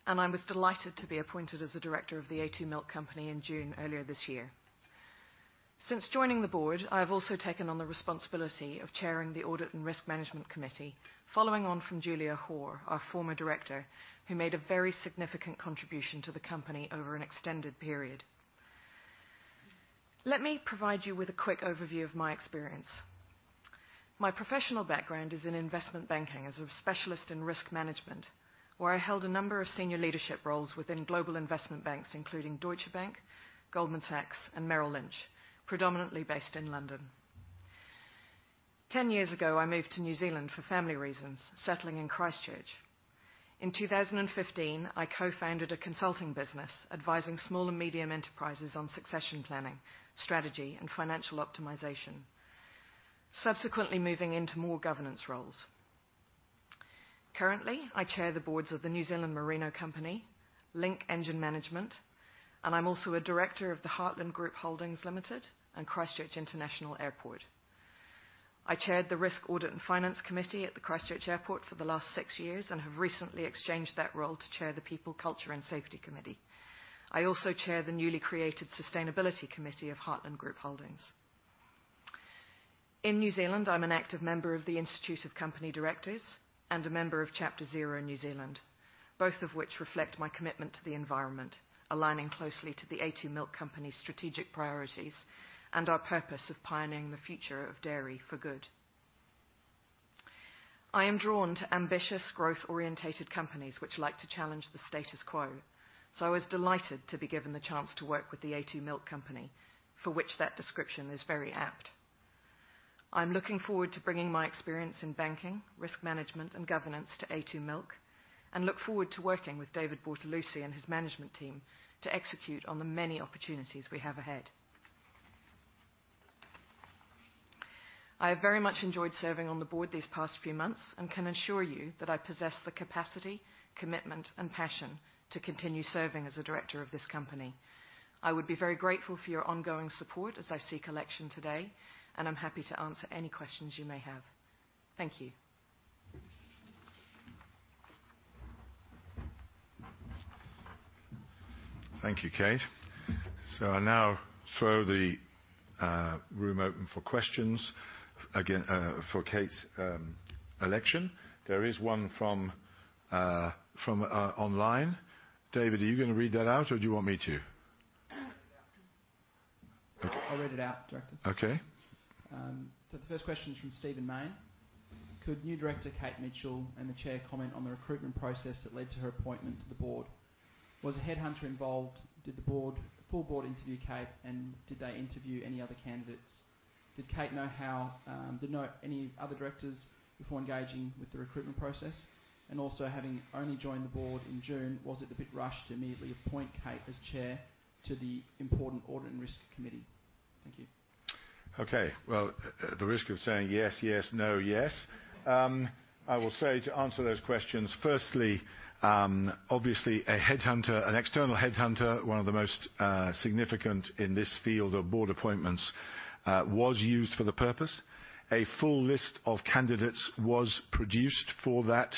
and I was delighted to be appointed as a director of The a2 Milk Company in June, earlier this year. Since joining the board, I have also taken on the responsibility of chairing the Audit and Risk Management Committee, following on from Julia Hoare, our former director, who made a very significant contribution to the company over an extended period. Let me provide you with a quick overview of my experience. My professional background is in investment banking, as a specialist in risk management, where I held a number of senior leadership roles within global investment banks, including Deutsche Bank, Goldman Sachs, and Merrill Lynch, predominantly based in London. Ten years ago, I moved to New Zealand for family reasons, settling in Christchurch. In 2015, I co-founded a consulting business advising small and medium enterprises on succession planning, strategy, and financial optimization, subsequently moving into more governance roles. Currently, I chair the boards of the New Zealand Merino Company, Link Engine Management, and I'm also a director of the Heartland Group Holdings Limited and Christchurch International Airport. I chaired the Risk, Audit, and Finance Committee at the Christchurch Airport for the last six years and have recently exchanged that role to chair the People, Culture, and Safety Committee. I also chair the newly created Sustainability Committee of Heartland Group Holdings. In New Zealand, I'm an active member of the Institute of Company Directors and a member of Chapter Zero in New Zealand, both of which reflect my commitment to the environment, aligning closely to the a2 Milk Company's strategic priorities and our purpose of pioneering the future of dairy for good. I am drawn to ambitious, growth-oriented companies which like to challenge the status quo, so I was delighted to be given the chance to work with the a2 Milk Company, for which that description is very apt. I'm looking forward to bringing my experience in banking, risk management, and governance to a2 Milk, and look forward to working with David Bortolussi and his management team to execute on the many opportunities we have ahead. I have very much enjoyed serving on the board these past few months and can assure you that I possess the capacity, commitment, and passion to continue serving as a director of this company. I would be very grateful for your ongoing support as I seek election today, and I'm happy to answer any questions you may have. Thank you. Thank you, Kate. So I now throw the room open for questions, again, for Kate's election. There is one from online. David, are you going to read that out, or do you want me to? I'll read it out, Director. Okay. So the first question is from Stephen Mayne. Could new director, Kate Mitchell, and the chair comment on the recruitment process that led to her appointment to the board? Was a headhunter involved? Did the board, full board interview Kate, and did they interview any other candidates? Did Kate know how, did know any other directors before engaging with the recruitment process? And also, having only joined the board in June, was it a bit rushed to immediately appoint Kate as chair to the important Audit and Risk Committee? Thank you. Okay. Well, at the risk of saying yes, yes, no, yes, I will say to answer those questions, firstly, obviously a headhunter, an external headhunter, one of the most significant in this field of board appointments, was used for the purpose. A full list of candidates was produced for that,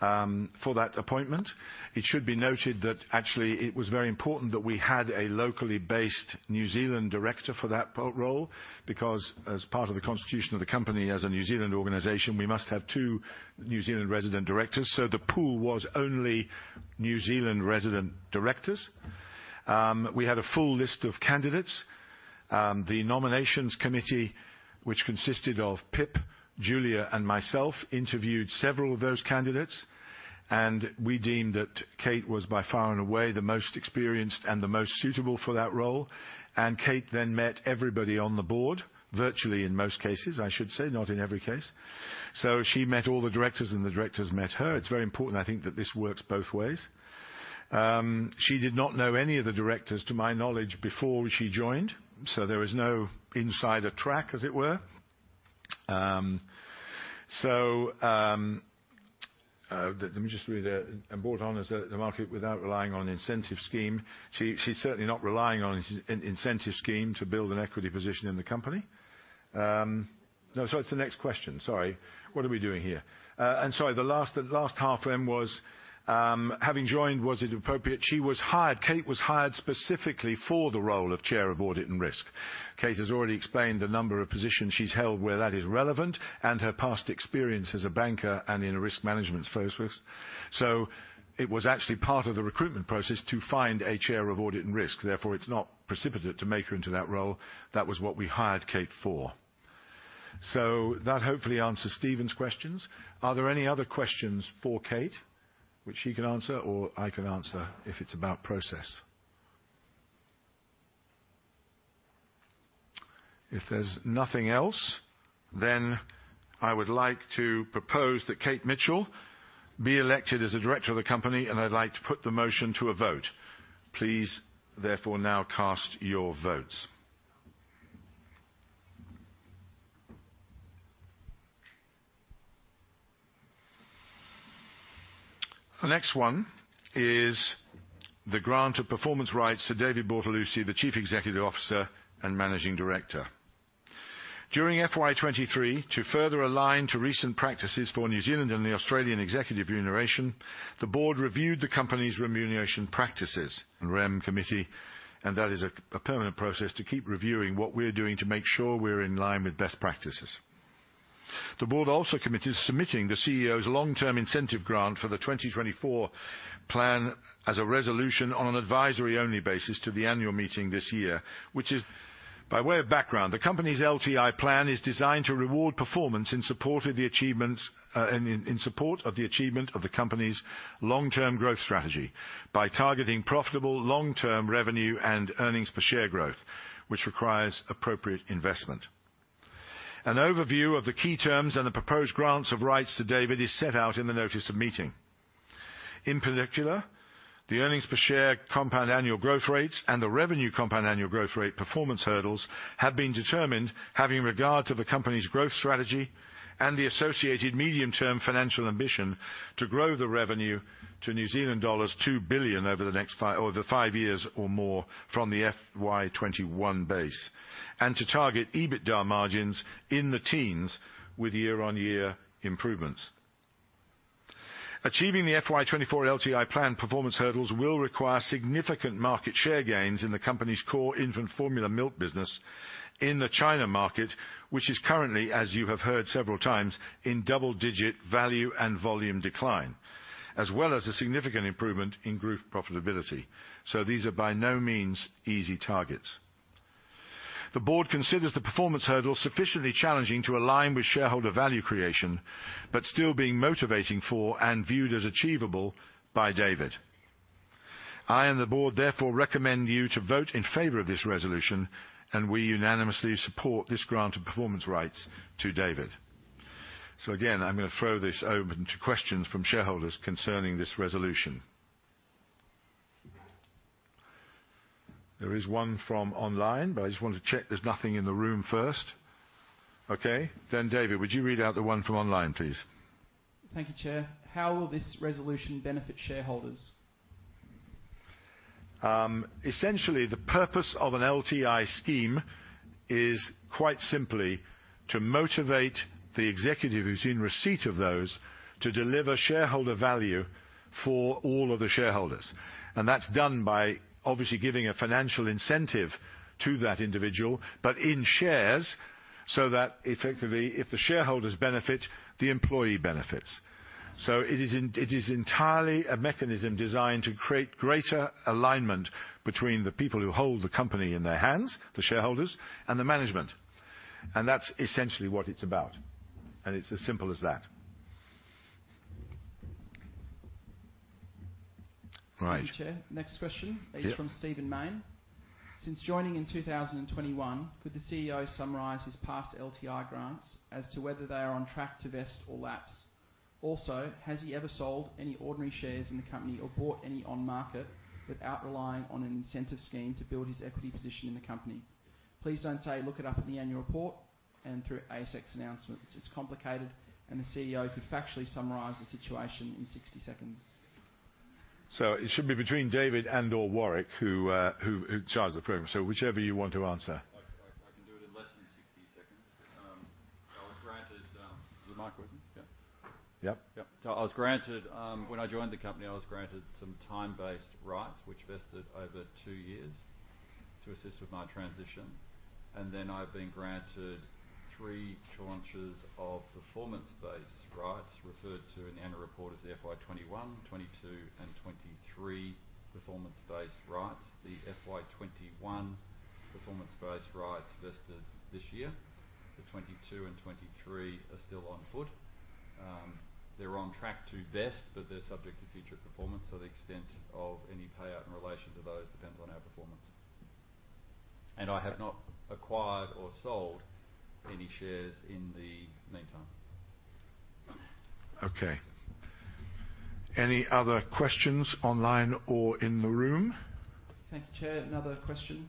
for that appointment. It should be noted that actually, it was very important that we had a locally based New Zealand director for that role, because as part of the constitution of the company as a New Zealand organization, we must have two New Zealand resident directors, so the pool was only New Zealand resident directors. We had a full list of candidates. The nominations committee, which consisted of Pip, Julia, and myself, interviewed several of those candidates, and we deemed that Kate was by far and away the most experienced and the most suitable for that role, and Kate then met everybody on the board, virtually in most cases, I should say, not in every case. So she met all the directors, and the directors met her. It's very important, I think, that this works both ways. She did not know any of the directors, to my knowledge, before she joined, so there was no insider track, as it were. So, let me just read it. And brought on as the market without relying on incentive scheme. She's certainly not relying on an incentive scheme to build an equity position in the company. No, sorry, it's the next question. Sorry. What are we doing here? And sorry, the last half of them was having joined, was it appropriate? She was hired—Kate was hired specifically for the role of Chair of Audit and Risk. Kate has already explained the number of positions she's held where that is relevant and her past experience as a banker and in a risk management first. So it was actually part of the recruitment process to find a Chair of Audit and Risk, therefore, it's not precipitate to make her into that role. That was what we hired Kate for. So that hopefully answers Stephen's questions. Are there any other questions for Kate, which she can answer, or I can answer if it's about process? If there's nothing else, then I would like to propose that Kate Mitchell be elected as a director of the company, and I'd like to put the motion to a vote. Please, therefore, now cast your votes. The next one is the grant of performance rights to David Bortolussi, the Chief Executive Officer and Managing Director. During FY 2023, to further align to recent practices for New Zealand and the Australian executive remuneration, the board reviewed the company's remuneration practices and REM committee, and that is a permanent process to keep reviewing what we're doing to make sure we're in line with best practices. The board also committed to submitting the CEO's long-term incentive grant for the 2024 plan as a resolution on an advisory-only basis to the annual meeting this year, which is by way of background, the company's LTI plan is designed to reward performance in support of the achievement of the company's long-term growth strategy by targeting profitable long-term revenue and earnings per share growth, which requires appropriate investment. An overview of the key terms and the proposed grants of rights to David is set out in the notice of meeting. In particular, the earnings per share, compound annual growth rates, and the revenue compound annual growth rate performance hurdles have been determined, having regard to the company's growth strategy and the associated medium-term financial ambition to grow the revenue to New Zealand dollars 2 billion over the next five years or more from the FY 2021 base, and to target EBITDA margins in the teens with year-on-year improvements. Achieving the FY 2024 LTI plan performance hurdles will require significant market share gains in the company's core infant formula milk business in the China market, which is currently, as you have heard several times, in double digit value and volume decline, as well as a significant improvement in group profitability. So these are by no means easy targets. The board considers the performance hurdle sufficiently challenging to align with shareholder value creation, but still being motivating for and viewed as achievable by David. I and the board therefore recommend you to vote in favor of this resolution, and we unanimously support this grant of performance rights to David. So again, I'm gonna throw this open to questions from shareholders concerning this resolution. There is one from online, but I just want to check there's nothing in the room first. Okay, then, David, would you read out the one from online, please? Thank you, Chair. How will this resolution benefit shareholders? Essentially, the purpose of an LTI scheme is quite simply to motivate the executive who's in receipt of those, to deliver shareholder value for all of the shareholders. And that's done by obviously giving a financial incentive to that individual, but in shares, so that effectively, if the shareholders benefit, the employee benefits. So it is entirely a mechanism designed to create greater alignment between the people who hold the company in their hands, the shareholders and the management. And that's essentially what it's about, and it's as simple as that. Right. Thank you, Chair. Next question- Yeah. - is from Stephen Mayne. Since joining in 2021, could the CEO summarize his past LTI grants as to whether they are on track to vest or lapse? Also, has he ever sold any ordinary shares in the company or bought any on market without relying on an incentive scheme to build his equity position in the company? Please don't say, "Look it up in the annual report and through ASX announcements." It's complicated, and the CEO could factually summarize the situation in 60 seconds. So it should be between David and/or Warwick, who chairs the program. So whichever you want to answer. I can do it in less than 60 seconds. I was granted... Is the mic working? Yeah. Yep. Yep. So I was granted, when I joined the company, I was granted some time-based rights, which vested over two years to assist with my transition. And then I've been granted three tranches of performance-based rights, referred to in the annual report as the FY 21, 22, and 23 performance-based rights. The FY 21 performance-based rights vested this year. The 22 and 23 are still on foot. They're on track to vest, but they're subject to future performance, so the extent of any payout in relation to those depends on our performance. And I have not acquired or sold any shares in the meantime. Okay. Any other questions online or in the room? Thank you, Chair. Another question,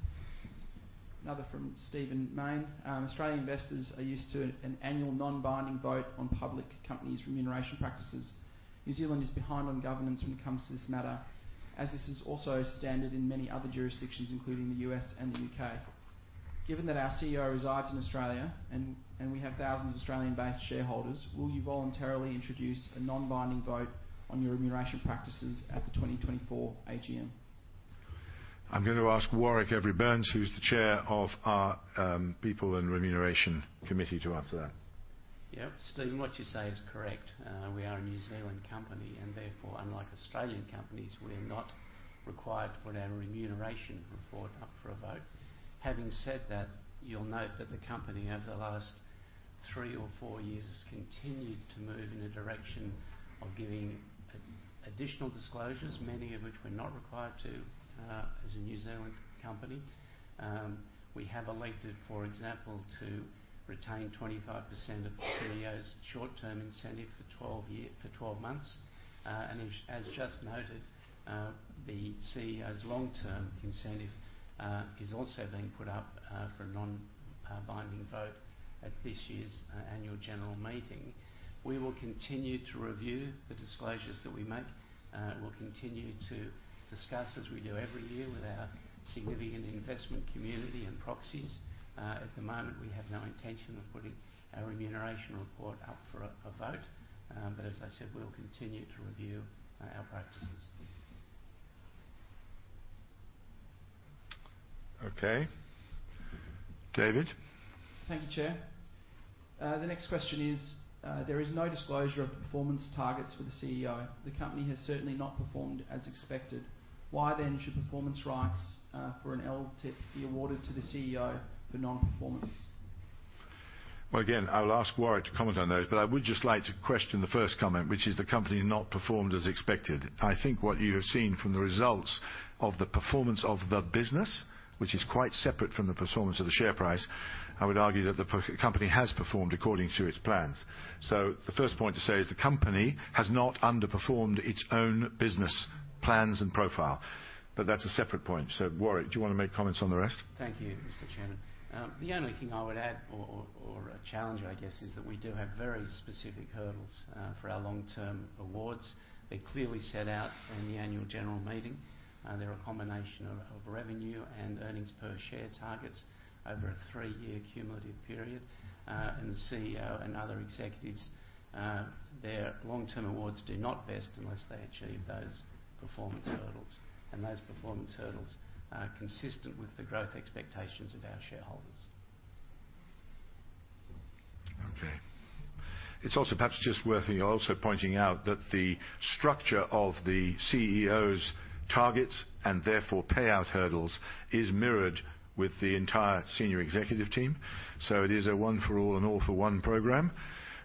another from Stephen Maine. Australian investors are used to an annual non-binding vote on public companies' remuneration practices. New Zealand is behind on governance when it comes to this matter, as this is also standard in many other jurisdictions, including the U.S. and the U.K. Given that our CEO resides in Australia and, and we have thousands of Australian-based shareholders, will you voluntarily introduce a non-binding vote on your remuneration practices at the 2024 AGM? I'm going to ask Warwick Every-Burns, who's the Chair of our People and Remuneration Committee, to answer that. Yeah. Stephen, what you say is correct. We are a New Zealand company, and therefore, unlike Australian companies, we're not required to put our remuneration report up for a vote. Having said that, you'll note that the company, over the last three or four years, has continued to move in a direction of giving additional disclosures, many of which we're not required to, as a New Zealand company. We have elected, for example, to retain 25% of the CEO's short-term incentive for 12 months. And as just noted, the CEO's long-term incentive is also being put up for a non-binding vote at this year's annual general meeting. We will continue to review the disclosures that we make. We'll continue to discuss, as we do every year, with our significant investment community and proxies. At the moment, we have no intention of putting our remuneration report up for a vote. But as I said, we'll continue to review our practices.... Okay. David? Thank you, Chair. The next question is, there is no disclosure of the performance targets for the CEO. The company has certainly not performed as expected. Why, then, should performance rights for an LTIP be awarded to the CEO for non-performance? Well, again, I'll ask Warwick to comment on those, but I would just like to question the first comment, which is the company not performed as expected. I think what you have seen from the results of the performance of the business, which is quite separate from the performance of the share price. I would argue that the company has performed according to its plans. So the first point to say is the company has not underperformed its own business plans and profile, but that's a separate point. So, Warwick, do you want to make comments on the rest? Thank you, Mr. Chairman. The only thing I would add or challenge, I guess, is that we do have very specific hurdles for our long-term awards. They're clearly set out in the annual general meeting, and they're a combination of revenue and earnings per share targets over a three-year cumulative period. And the CEO and other executives, their long-term awards do not vest unless they achieve those performance hurdles. Those performance hurdles are consistent with the growth expectations of our shareholders. Okay. It's also perhaps just worth also pointing out that the structure of the CEO's targets, and therefore payout hurdles, is mirrored with the entire senior executive team. So it is a one for all and all for one program.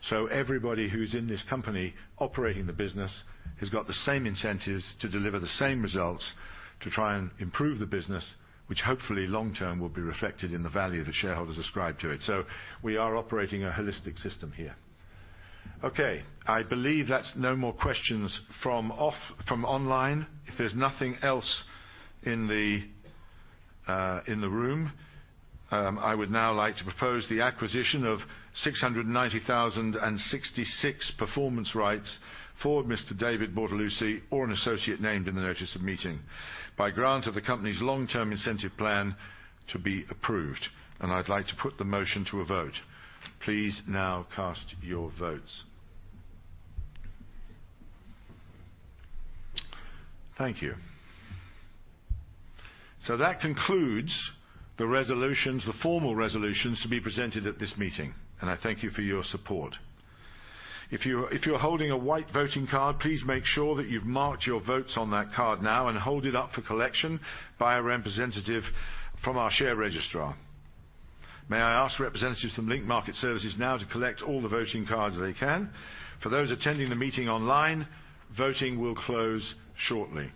So everybody who's in this company operating the business has got the same incentives to deliver the same results, to try and improve the business, which hopefully long term, will be reflected in the value that shareholders ascribe to it. So we are operating a holistic system here. Okay, I believe that's no more questions from online. If there's nothing else in the room, I would now like to propose the acquisition of 690,066 performance rights for Mr. David Bortolussi or an associate named in the notice of meeting, by grant of the company's long-term incentive plan to be approved, and I'd like to put the motion to a vote. Please now cast your votes. Thank you. That concludes the resolutions, the formal resolutions, to be presented at this meeting, and I thank you for your support. If you're holding a white voting card, please make sure that you've marked your votes on that card now and hold it up for collection by a representative from our share registrar. May I ask representatives from Link Market Services now to collect all the voting cards they can? For those attending the meeting online, voting will close shortly.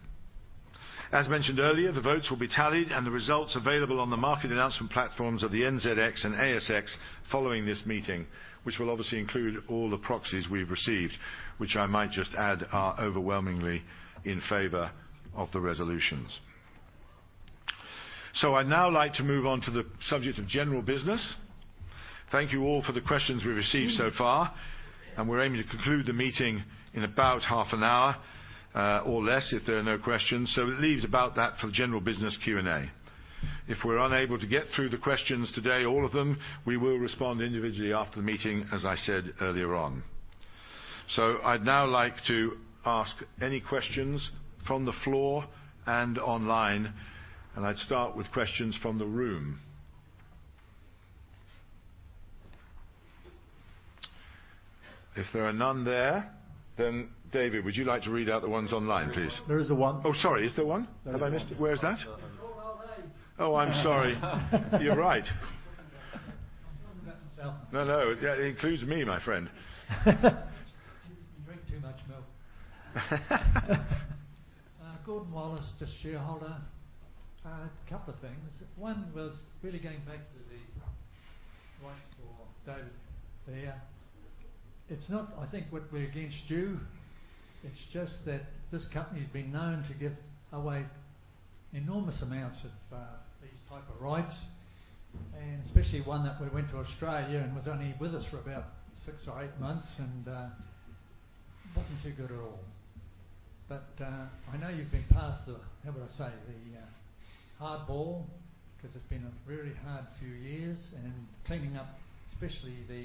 As mentioned earlier, the votes will be tallied and the results available on the market announcement platforms of the NZX and ASX following this meeting, which will obviously include all the proxies we've received, which I might just add, are overwhelmingly in favor of the resolutions. So I'd now like to move on to the subject of general business. Thank you all for the questions we've received so far, and we're aiming to conclude the meeting in about half an hour, or less if there are no questions. So it leaves about that for the general business Q&A. If we're unable to get through the questions today, all of them, we will respond individually after the meeting, as I said earlier on. So I'd now like to ask any questions from the floor and online, and I'd start with questions from the room. If there are none there, then, David, would you like to read out the ones online, please? There is the one. Oh, sorry. Is there one? Have I missed it? Where is that? Oh, I'm sorry. You're right. No, no, it includes me, my friend. You drink too much milk. Gordon Wallace, just shareholder. A couple of things. One was really getting back to the rights for David here. It's not, I think, what we're against you. It's just that this company's been known to give away enormous amounts of these type of rights, and especially one that we went to Australia and was only with us for about six or eight months and wasn't too good at all. But I know you've been past the, how would I say, the hard ball, 'cause it's been a very hard few years and cleaning up, especially the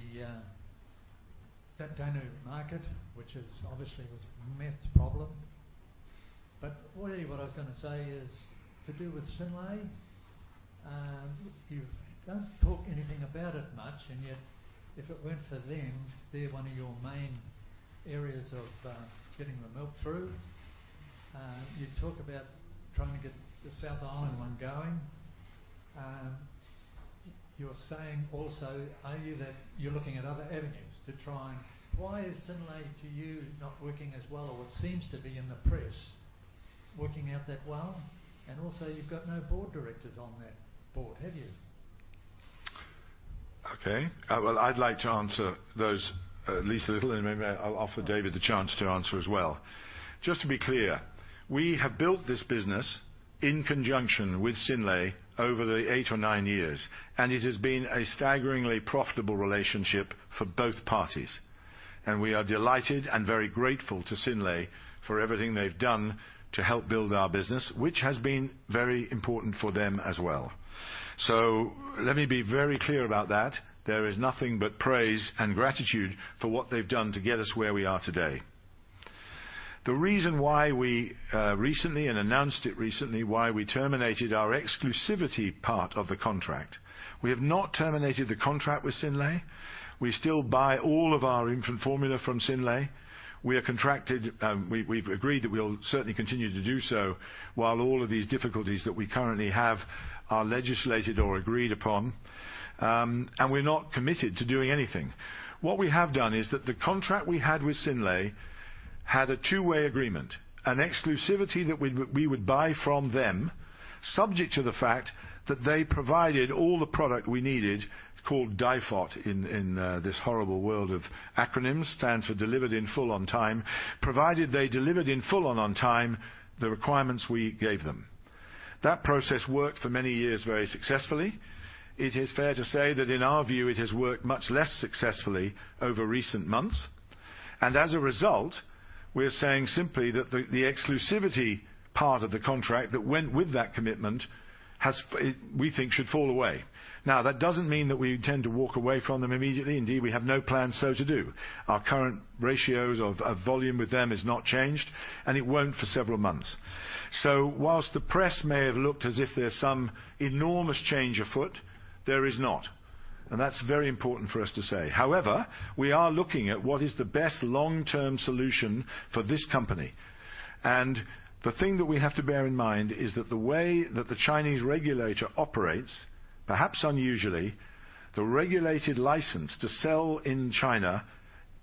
that daigou market, which is obviously was a mess problem. But really, what I was gonna say is to do with Synlait. You don't talk anything about it much, and yet, if it weren't for them, they're one of your main areas of getting the milk through. You talk about trying to get the South Island one going. You're saying also, are you, that you're looking at other avenues to try... Why is Synlait, to you, not working as well or what seems to be in the press, working out that well? And also, you've got no board directors on that board, have you? Okay, well, I'd like to answer those at least a little, and maybe I'll offer David the chance to answer as well. Just to be clear, we have built this business in conjunction with Synlait over the eight or nine years, and it has been a staggeringly profitable relationship for both parties. And we are delighted and very grateful to Synlait for everything they've done to help build our business, which has been very important for them as well. So let me be very clear about that. There is nothing but praise and gratitude for what they've done to get us where we are today.... The reason why we recently and announced it recently, why we terminated our exclusivity part of the contract. We have not terminated the contract with Synlait. We still buy all of our infant formula from Synlait. We are contracted, we've agreed that we'll certainly continue to do so while all of these difficulties that we currently have are legislated or agreed upon, and we're not committed to doing anything. What we have done is that the contract we had with Synlait had a two-way agreement, an exclusivity that we would buy from them, subject to the fact that they provided all the product we needed, called DIFOT in this horrible world of acronyms, stands for Delivered In Full On Time, provided they delivered in full and on time the requirements we gave them. That process worked for many years very successfully. It is fair to say that in our view, it has worked much less successfully over recent months, and as a result, we're saying simply that the exclusivity part of the contract that went with that commitment has, we think, should fall away. Now, that doesn't mean that we intend to walk away from them immediately. Indeed, we have no plan so to do. Our current ratios of volume with them has not changed, and it won't for several months. So whilst the press may have looked as if there's some enormous change afoot, there is not, and that's very important for us to say. However, we are looking at what is the best long-term solution for this company, and the thing that we have to bear in mind is that the way that the Chinese regulator operates, perhaps unusually, the regulated license to sell in China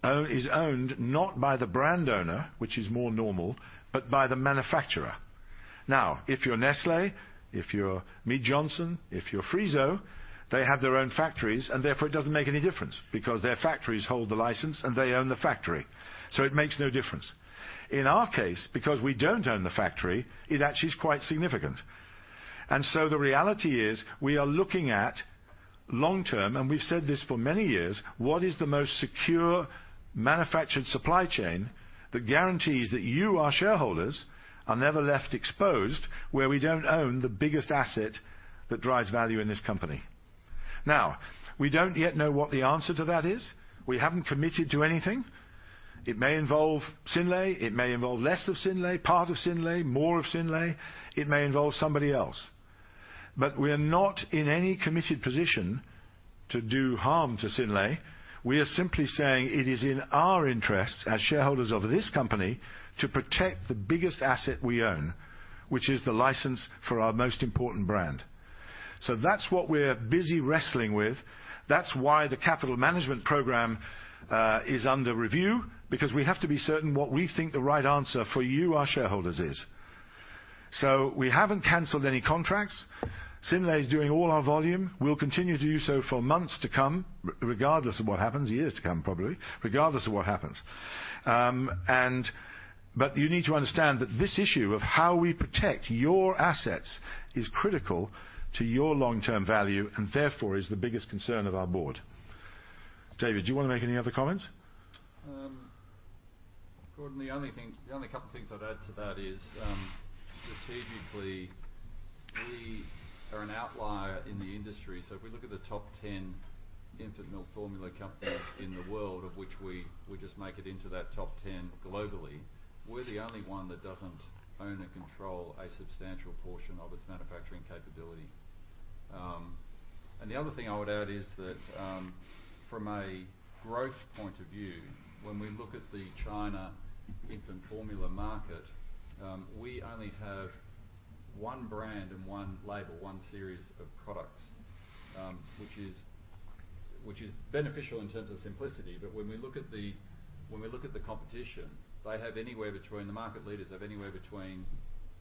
is owned not by the brand owner, which is more normal, but by the manufacturer. Now, if you're Nestlé, if you're Mead Johnson, if you're Friso, they have their own factories, and therefore it doesn't make any difference, because their factories hold the license, and they own the factory, so it makes no difference. In our case, because we don't own the factory, it actually is quite significant. And so the reality is, we are looking at long term, and we've said this for many years, what is the most secure manufactured supply chain that guarantees that you, our shareholders, are never left exposed, where we don't own the biggest asset that drives value in this company? Now, we don't yet know what the answer to that is. We haven't committed to anything. It may involve Synlait, it may involve less of Synlait, part of Synlait, more of Synlait. It may involve somebody else, but we're not in any committed position to do harm to Synlait. We are simply saying it is in our interests, as shareholders of this company, to protect the biggest asset we own, which is the license for our most important brand. So that's what we're busy wrestling with. That's why the capital management program is under review, because we have to be certain what we think the right answer for you, our shareholders, is. So we haven't canceled any contracts. Synlait is doing all our volume. We'll continue to do so for months to come, regardless of what happens, years to come, probably, regardless of what happens. And, but you need to understand that this issue of how we protect your assets is critical to your long-term value, and therefore is the biggest concern of our board. David, do you want to make any other comments? Gordon, the only thing, the only couple things I'd add to that is, strategically, we are an outlier in the industry. So if we look at the top 10 infant milk formula companies in the world, of which we just make it into that top 10 globally, we're the only one that doesn't own and control a substantial portion of its manufacturing capability. And the other thing I would add is that, from a growth point of view, when we look at the China infant formula market, we only have one brand and one label, one series of products, which is beneficial in terms of simplicity, but when we look at the competition, they have anywhere between. The market leaders have anywhere between,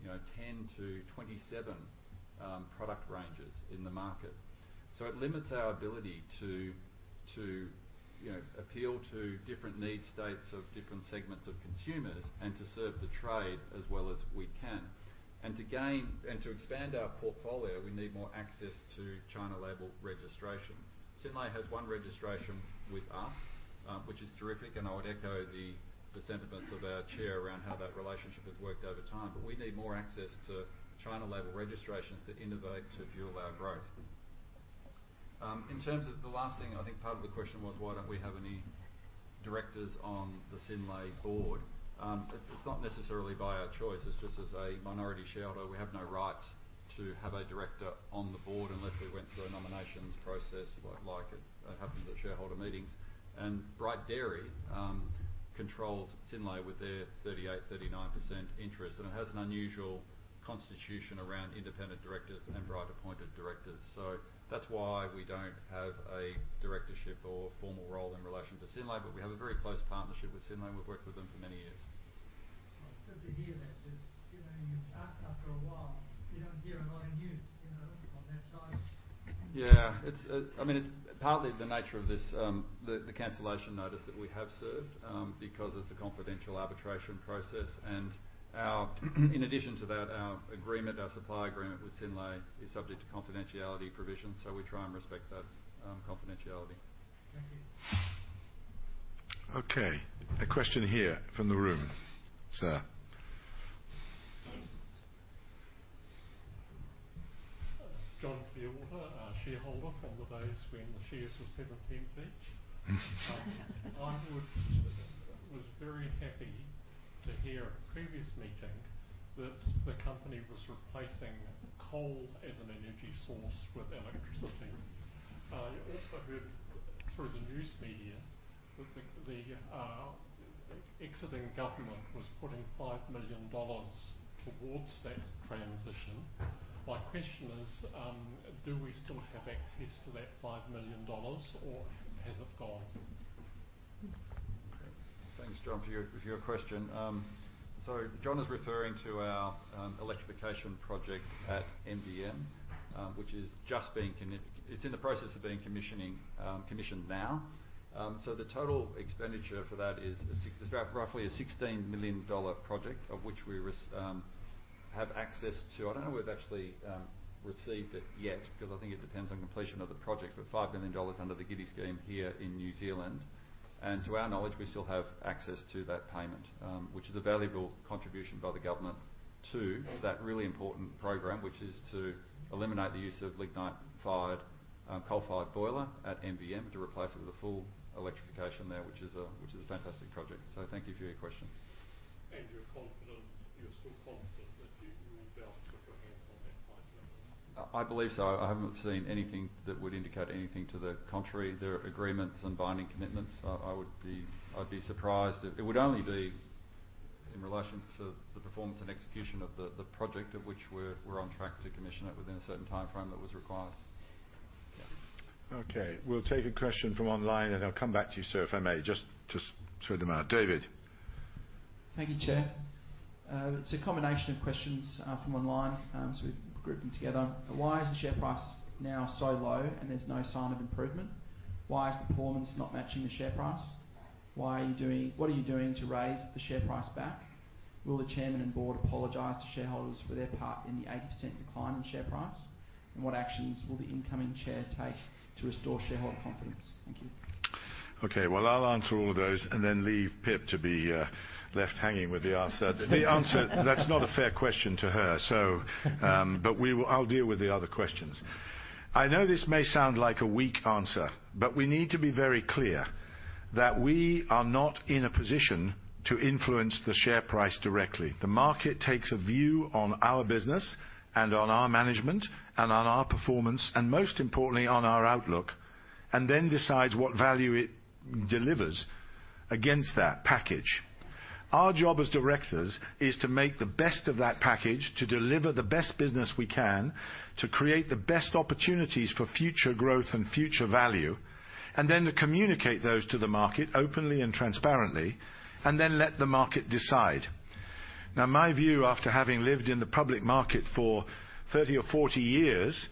you know, 10-27, product ranges in the market. So it limits our ability to you know appeal to different need states of different segments of consumers, and to serve the trade as well as we can. And to gain, and to expand our portfolio, we need more access to China label registrations. Synlait has one registration with us, which is terrific, and I would echo the sentiments of our chair around how that relationship has worked over time. But we need more access to China label registrations to innovate, to fuel our growth. In terms of the last thing, I think part of the question was, why don't we have any directors on the Synlait board? It's not necessarily by our choice, it's just as a minority shareholder, we have no rights to have a director on the board unless we went through a nominations process, like it happens at shareholder meetings. Bright Dairy controls Synlait with their 38%-39% interest, and it has an unusual constitution around independent directors and Bright-appointed directors. That's why we don't have a directorship or formal role in relation to Synlait, but we have a very close partnership with Synlait. We've worked with them for many years. It's good to hear that, because, you know, after a while, you don't hear a lot of news, you know, on that side. Yeah, it's, I mean, it's partly the nature of this, the cancellation notice that we have served, because it's a confidential arbitration process, and in addition to that, our agreement, our supply agreement with Synlait is subject to confidentiality provisions, so we try and respect that, confidentiality. Thank you. Okay, a question here from the room, sir?... John Clearwater, a shareholder from the days when the shares were 0.07 each. I was very happy to hear at a previous meeting that the company was replacing coal as an energy source with electricity. I also heard through the news media that the existing government was putting 5 million dollars towards that transition. My question is, do we still have access to that 5 million dollars or has it gone? Thanks, John, for your question. So John is referring to our electrification project at MVM, which is just being commi-- It's in the process of being commissioned now. So the total expenditure for that is roughly a 16 million dollar project, of which we have access to. I don't know if we've actually received it yet, because I think it depends on completion of the project, but 5 million dollars under the GIDI scheme here in New Zealand, and to our knowledge, we still have access to that payment. Which is a valuable contribution by the government to that really important program, which is to eliminate the use of lignite-fired, coal-fired boiler at MVM, to replace it with a full electrification there, which is a fantastic project. Thank you for your question. You're confident, you're still confident that you will be able to put your hands on that NZD 5 million? I believe so. I haven't seen anything that would indicate anything to the contrary. There are agreements and binding commitments. I would be, I'd be surprised if... It would only be in relation to the performance and execution of the project, of which we're on track to commission it within a certain timeframe that was required. Okay, we'll take a question from online, and I'll come back to you, sir, if I may, just to sort them out. David? Thank you, Chair. It's a combination of questions from online, so we've grouped them together. Why is the share price now so low and there's no sign of improvement? Why is the performance not matching the share price? What are you doing to raise the share price back? Will the chairman and board apologize to shareholders for their part in the 80% decline in share price? And what actions will the incoming chair take to restore shareholder confidence? Thank you. Okay, well, I'll answer all of those and then leave Pip to be left hanging with the answer. The answer, that's not a fair question to her, so, but we will. I'll deal with the other questions. I know this may sound like a weak answer, but we need to be very clear that we are not in a position to influence the share price directly. The market takes a view on our business and on our management, and on our performance, and most importantly, on our outlook, and then decides what value it delivers against that package. Our job as directors is to make the best of that package, to deliver the best business we can, to create the best opportunities for future growth and future value, and then to communicate those to the market openly and transparently, and then let the market decide. Now, my view, after having lived in the public market for 30 or 40 years,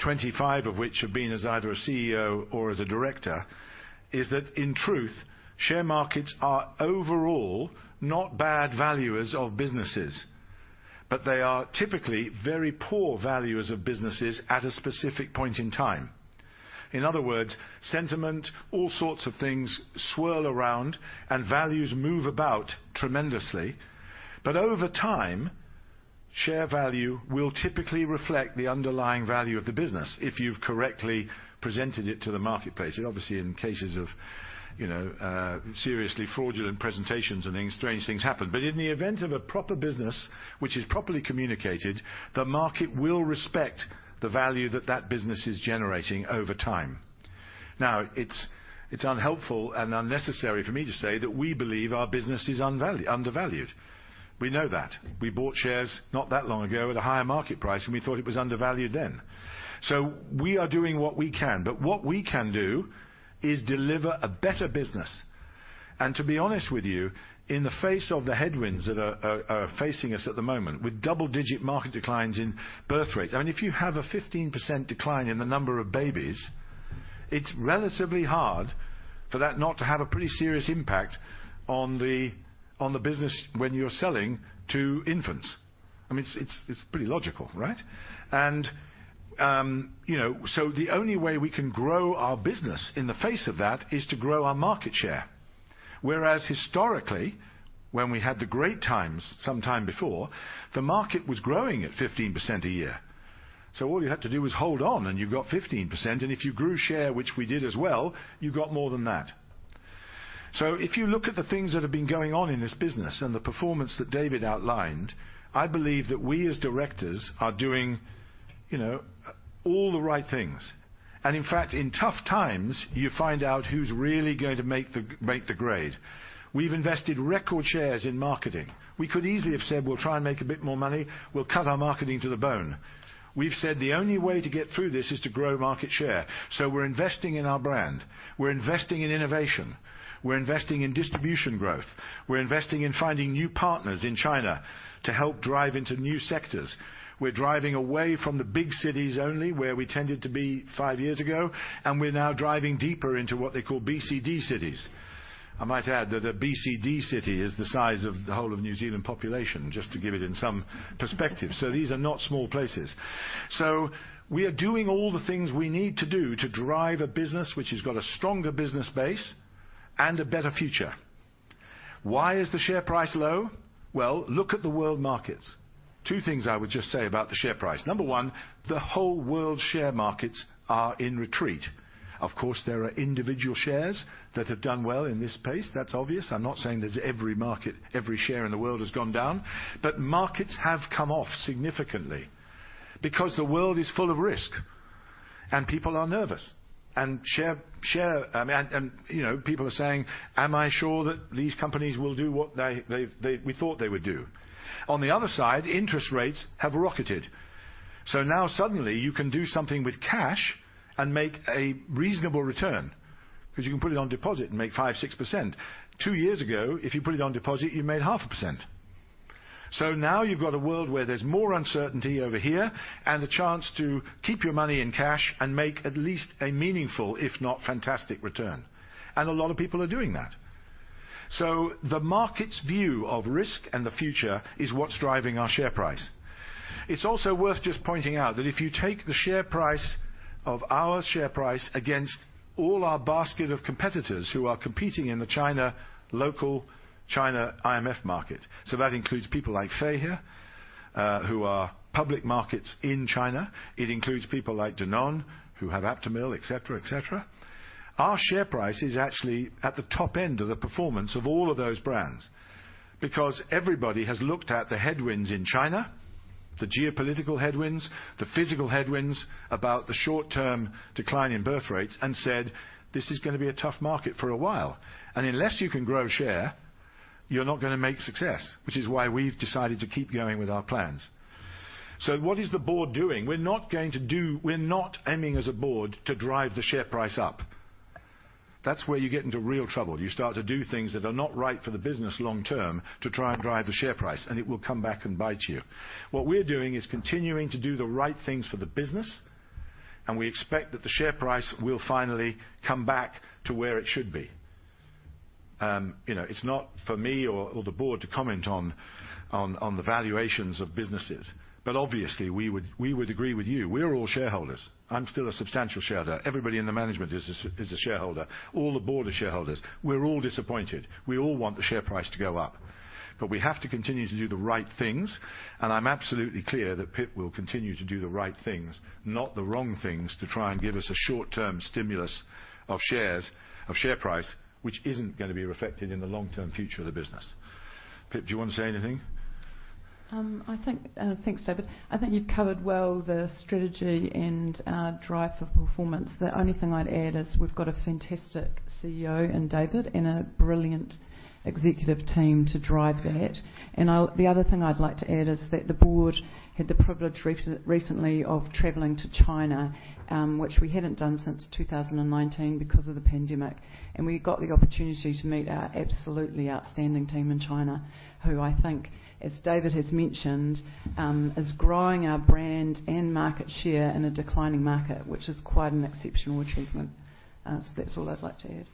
25 of which have been as either a CEO or as a director, is that, in truth, share markets are overall not bad valuers of businesses, but they are typically very poor valuers of businesses at a specific point in time. In other words, sentiment, all sorts of things swirl around, and values move about tremendously. But over time, share value will typically reflect the underlying value of the business if you've correctly presented it to the marketplace. And obviously, in cases of, you know, seriously fraudulent presentations and things, strange things happen. But in the event of a proper business, which is properly communicated, the market will respect the value that that business is generating over time. Now, it's unhelpful and unnecessary for me to say that we believe our business is undervalued. We know that. We bought shares not that long ago at a higher market price, and we thought it was undervalued then. So we are doing what we can, but what we can do is deliver a better business. And to be honest with you, in the face of the headwinds that are facing us at the moment, with double-digit market declines in birth rates... I mean, if you have a 15% decline in the number of babies, it's relatively hard for that not to have a pretty serious impact on the business when you're selling to infants. I mean, it's pretty logical, right? You know, so the only way we can grow our business in the face of that is to grow our market share. Whereas historically, when we had the great times, some time before, the market was growing at 15% a year. So all you had to do was hold on, and you've got 15%, and if you grew share, which we did as well, you got more than that. So if you look at the things that have been going on in this business and the performance that David outlined, I believe that we, as directors, are doing, you know, all the right things. And in fact, in tough times, you find out who's really going to make the grade. We've invested record shares in marketing. We could easily have said, "We'll try and make a bit more money. We'll cut our marketing to the bone." We've said the only way to get through this is to grow market share. So we're investing in our brand, we're investing in innovation, we're investing in distribution growth, we're investing in finding new partners in China to help drive into new sectors. We're driving away from the big cities only, where we tended to be five years ago, and we're now driving deeper into what they call BCD cities. I might add that a BCD city is the size of the whole of New Zealand population, just to give it in some perspective. So these are not small places. So we are doing all the things we need to do to drive a business which has got a stronger business base and a better future... Why is the share price low? Well, look at the world markets. Two things I would just say about the share price. Number one, the whole world share markets are in retreat. Of course, there are individual shares that have done well in this space. That's obvious. I'm not saying every market, every share in the world has gone down, but markets have come off significantly because the world is full of risk and people are nervous. And, you know, people are saying, "Am I sure that these companies will do what we thought they would do?" On the other side, interest rates have rocketed. So now suddenly you can do something with cash and make a reasonable return, because you can put it on deposit and make 5%-6%. Two years ago, if you put it on deposit, you made 0.5%. Now you've got a world where there's more uncertainty over here, and the chance to keep your money in cash and make at least a meaningful, if not fantastic, return. A lot of people are doing that. The market's view of risk and the future is what's driving our share price. It's also worth just pointing out that if you take the share price of our share price against all our basket of competitors who are competing in the China, local China IMF market, so that includes people like Feihe, who are public markets in China. It includes people like Danone, who have Aptamil, et cetera, et cetera. Our share price is actually at the top end of the performance of all of those brands, because everybody has looked at the headwinds in China, the geopolitical headwinds, the physical headwinds about the short-term decline in birth rates, and said, "This is gonna be a tough market for a while, and unless you can grow share, you're not gonna make success," which is why we've decided to keep going with our plans. So what is the board doing? We're not going to do. We're not aiming as a board to drive the share price up. That's where you get into real trouble. You start to do things that are not right for the business long term to try and drive the share price, and it will come back and bite you. What we're doing is continuing to do the right things for the business, and we expect that the share price will finally come back to where it should be. You know, it's not for me or the board to comment on the valuations of businesses, but obviously, we would agree with you. We're all shareholders. I'm still a substantial shareholder. Everybody in the management is a shareholder. All the board are shareholders. We're all disappointed. We all want the share price to go up, but we have to continue to do the right things, and I'm absolutely clear that Pip will continue to do the right things, not the wrong things, to try and give us a short-term stimulus of shares, of share price, which isn't gonna be reflected in the long-term future of the business. Pip, do you want to say anything? I think, thanks, David. I think you've covered well the strategy and drive for performance. The only thing I'd add is we've got a fantastic CEO in David and a brilliant executive team to drive that. The other thing I'd like to add is that the board had the privilege recently of traveling to China, which we hadn't done since 2019 because of the pandemic, and we got the opportunity to meet our absolutely outstanding team in China, who I think, as David has mentioned, is growing our brand and market share in a declining market, which is quite an exceptional achievement. So that's all I'd like to add.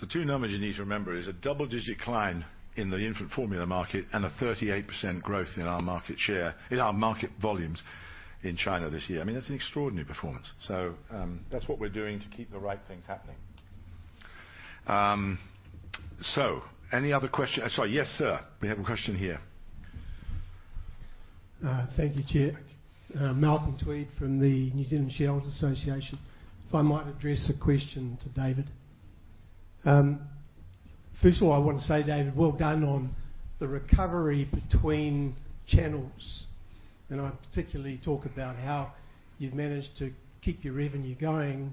The two numbers you need to remember is a double-digit decline in the infant formula market and a 38% growth in our market share, in our market volumes in China this year. I mean, that's an extraordinary performance. So, that's what we're doing to keep the right things happening. Any other questions? Sorry. Yes, sir, we have a question here. Thank you, Chair. Malcolm Tweed from the New Zealand Shareholders Association. If I might address a question to David. First of all, I want to say, David, well done on the recovery between channels, and I particularly talk about how you've managed to keep your revenue going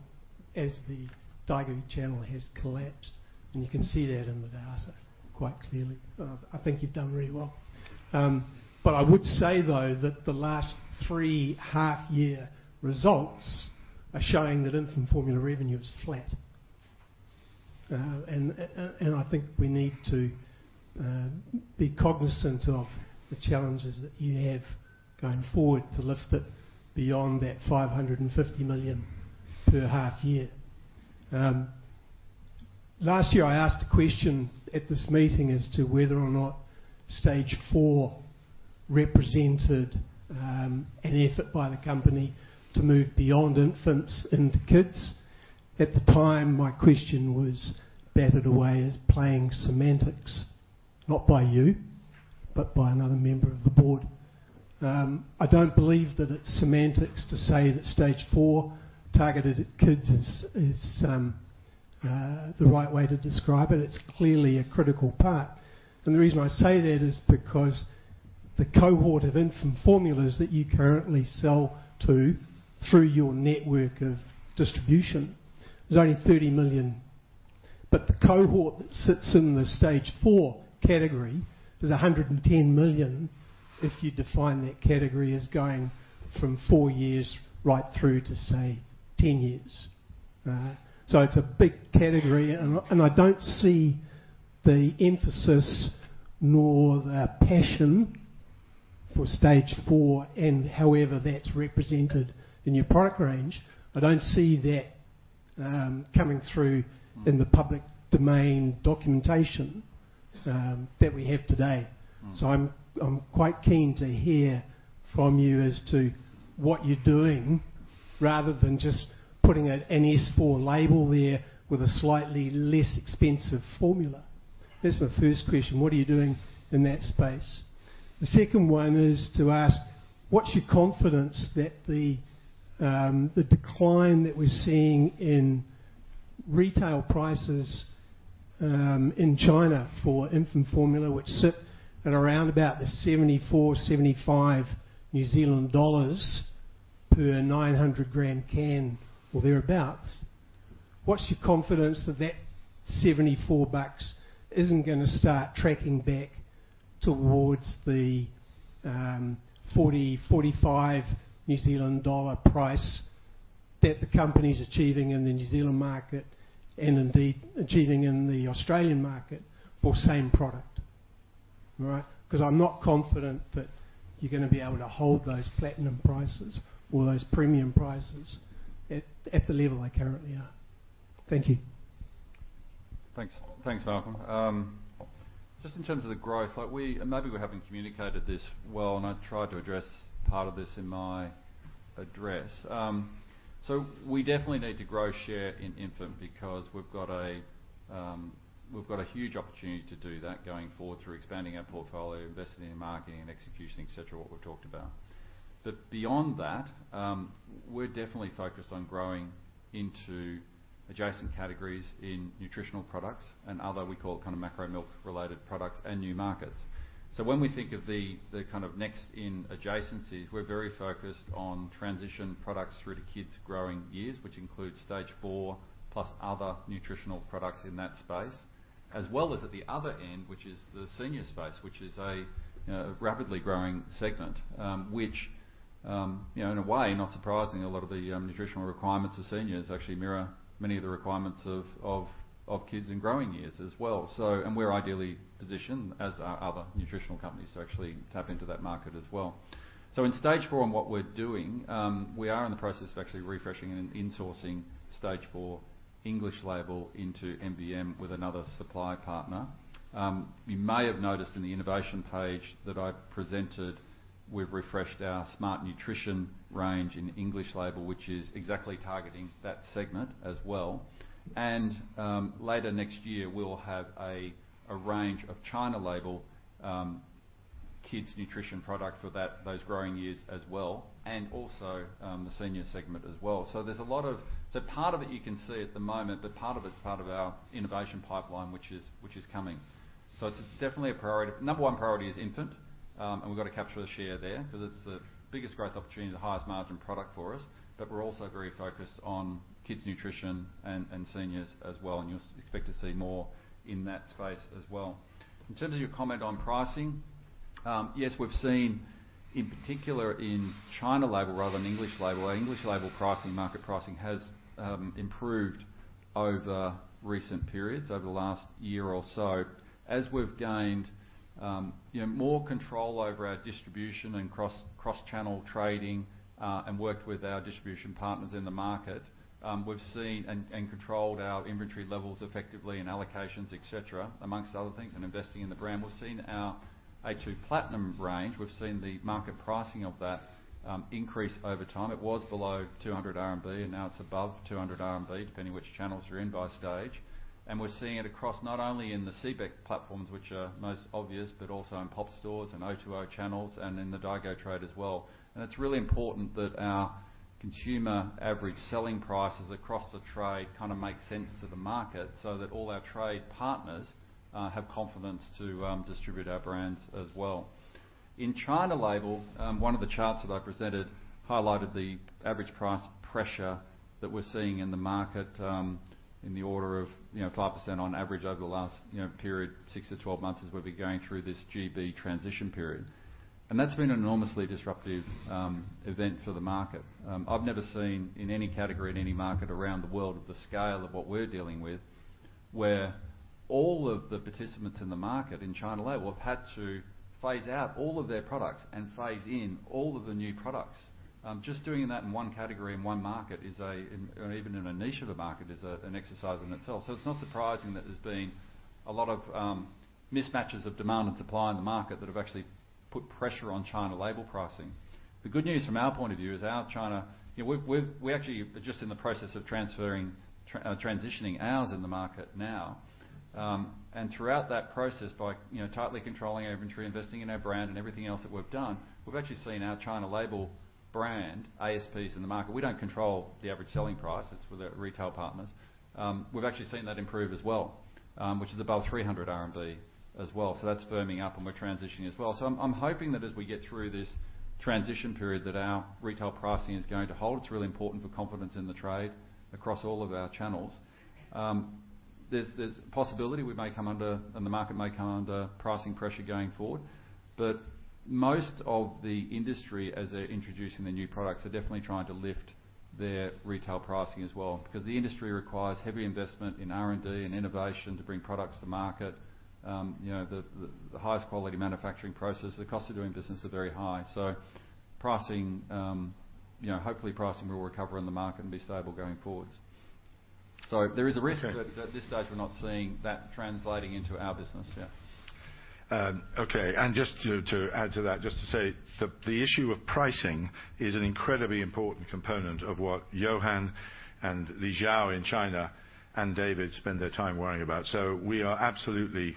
as the Daigou channel has collapsed, and you can see that in the data quite clearly. I think you've done very well. But I would say, though, that the last three half-year results are showing that infant formula revenue is flat. And I think we need to be cognizant of the challenges that you have going forward to lift it beyond that 550 million per half year. Last year, I asked a question at this meeting as to whether or not Stage Four represented an effort by the company to move beyond infants into kids. At the time, my question was batted away as playing semantics, not by you, but by another member of the board. I don't believe that it's semantics to say that Stage Four targeted at kids is the right way to describe it. It's clearly a critical part. The reason I say that is because the cohort of infant formulas that you currently sell to through your network of distribution is only 30 million. But the cohort that sits in the Stage Four category is 110 million, if you define that category as going from four years right through to, say, 10 years. So it's a big category, and I, and I don't see the emphasis nor the passion for Stage Four and however that's represented in your product range. I don't see that coming through in the public domain documentation that we have today. Mm. So I'm quite keen to hear from you as to what you're doing rather than just putting an S4 label there with a slightly less expensive formula? There's my first question: What are you doing in that space? The second one is to ask: What's your confidence that the decline that we're seeing in retail prices in China for infant formula, which sit at around about the 74-75 New Zealand dollars per 900-gram can, or thereabouts. What's your confidence that that 74 bucks isn't gonna start tracking back towards the 40-45 New Zealand dollar price that the company's achieving in the New Zealand market, and indeed achieving in the Australian market for same product? All right. Because I'm not confident that you're gonna be able to hold those platinum prices or those premium prices at the level they currently are. Thank you. Thanks. Thanks, Malcolm. Just in terms of the growth, like, and maybe we haven't communicated this well, and I tried to address part of this in my address. So we definitely need to grow share in infant because we've got a huge opportunity to do that going forward through expanding our portfolio, investing in marketing and execution, et cetera, what we've talked about. But beyond that, we're definitely focused on growing into adjacent categories in nutritional products and other, we call it, kind of macro milk-related products and new markets. So when we think of the kind of next in adjacencies, we're very focused on transition products through to kids growing years, which includes Stage four, plus other nutritional products in that space, as well as at the other end, which is the senior space, which is a rapidly growing segment. Which, you know, in a way, not surprising, a lot of the nutritional requirements of seniors actually mirror many of the requirements of kids in growing years as well. So. And we're ideally positioned, as are other nutritional companies, to actually tap into that market as well. So in Stage four and what we're doing, we are in the process of actually refreshing and insourcing Stage four English label into MBS with another supply partner. You may have noticed in the innovation page that I presented, we've refreshed our Smart Nutrition range in English label, which is exactly targeting that segment as well. And later next year, we'll have a range of China label kids nutrition product for those growing years as well, and also the senior segment as well. So part of it you can see at the moment, but part of it's part of our innovation pipeline, which is coming. So it's definitely a priority. Number one priority is infant, and we've got to capture the share there, because it's the biggest growth opportunity, the highest margin product for us, but we're also very focused on kids nutrition and seniors as well, and you'll expect to see more in that space as well. In terms of your comment on pricing, yes, we've seen, in particular in China label rather than English label, our English label pricing, market pricing, has, improved over recent periods, over the last year or so. As we've gained, you know, more control over our distribution and cross-channel trading, and worked with our distribution partners in the market, we've seen, and, and controlled our inventory levels effectively and allocations, et cetera, among other things, and investing in the brand. We've seen our a2 Platinum range, we've seen the market pricing of that, increase over time. It was below 200 RMB, and now it's above 200 RMB, depending which channels you're in by stage. We're seeing it across not only in the CBEC platforms, which are most obvious, but also in POP stores and O2O channels and in the Daigou trade as well. It's really important that our consumer average selling prices across the trade kind of make sense to the market, so that all our trade partners have confidence to distribute our brands as well. In China label, one of the charts that I presented highlighted the average price pressure that we're seeing in the market, in the order of, you know, 5% on average over the last, you know, period, 6-12 months, as we've been going through this GB transition period. That's been an enormously disruptive event for the market. I've never seen, in any category, in any market around the world, the scale of what we're dealing with, where all of the participants in the market, in China label, have had to phase out all of their products and phase in all of the new products. Just doing that in one category, in one market, and even in a niche of a market, is an exercise in itself. So it's not surprising that there's been a lot of mismatches of demand and supply in the market that have actually put pressure on China label pricing. The good news from our point of view is our China. We're actually just in the process of transitioning ours in the market now. And throughout that process, by you know, tightly controlling inventory, investing in our brand, and everything else that we've done, we've actually seen our China label brand ASPs in the market. We don't control the average selling price; it's with our retail partners. We've actually seen that improve as well, which is above 300 RMB as well. So that's firming up, and we're transitioning as well. So I'm hoping that as we get through this transition period, that our retail pricing is going to hold. It's really important for confidence in the trade across all of our channels. There's a possibility we may come under, and the market may come under pricing pressure going forward, but most of the industry, as they're introducing their new products, are definitely trying to lift their retail pricing as well. Because the industry requires heavy investment in R&D and innovation to bring products to market. You know, the highest quality manufacturing process, the cost of doing business are very high. So pricing, you know, hopefully, pricing will recover in the market and be stable going forwards. So there is a risk, but at this stage, we're not seeing that translating into our business, yeah. Okay, and just to add to that, just to say, the issue of pricing is an incredibly important component of what Chopin and Li Xiao in China, and David spend their time worrying about. So we are absolutely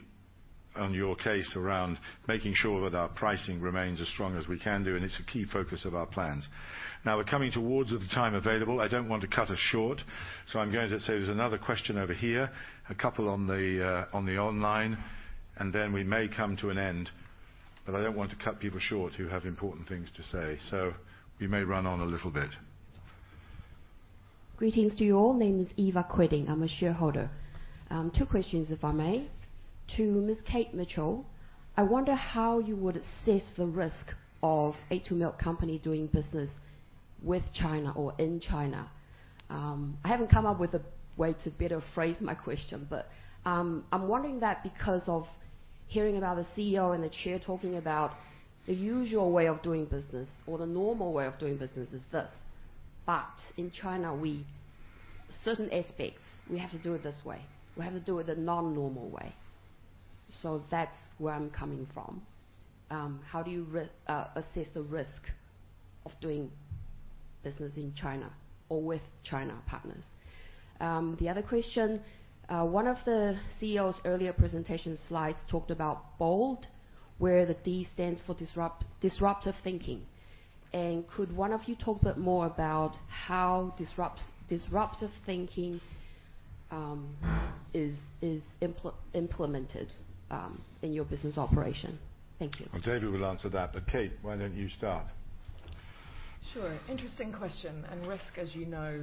on your case around making sure that our pricing remains as strong as we can do, and it's a key focus of our plans. Now, we're coming towards the time available. I don't want to cut us short, so I'm going to say there's another question over here, a couple on the, on the online, and then we may come to an end. But I don't want to cut people short who have important things to say. So we may run on a little bit. Greetings to you all. My name is Eva Quiding. I'm a shareholder. Two questions, if I may. To Ms. Kate Mitchell, I wonder how you would assess the risk of a2 Milk Company doing business with China or in China? I haven't come up with a way to better phrase my question, but, I'm wondering that because of hearing about the CEO and the chair talking about the usual way of doing business or the normal way of doing business is this. But in China, certain aspects, we have to do it this way. We have to do it the non-normal way. So that's where I'm coming from. How do you assess the risk of doing business in China or with China partners? The other question, one of the CEO's earlier presentation slides talked about BOLD, where the D stands for disrupt, disruptive thinking. Could one of you talk a bit more about how disruptive thinking is implemented in your business operation? Thank you. Well, David will answer that, but, Kate, why don't you start? Sure. Interesting question, and risk, as you know,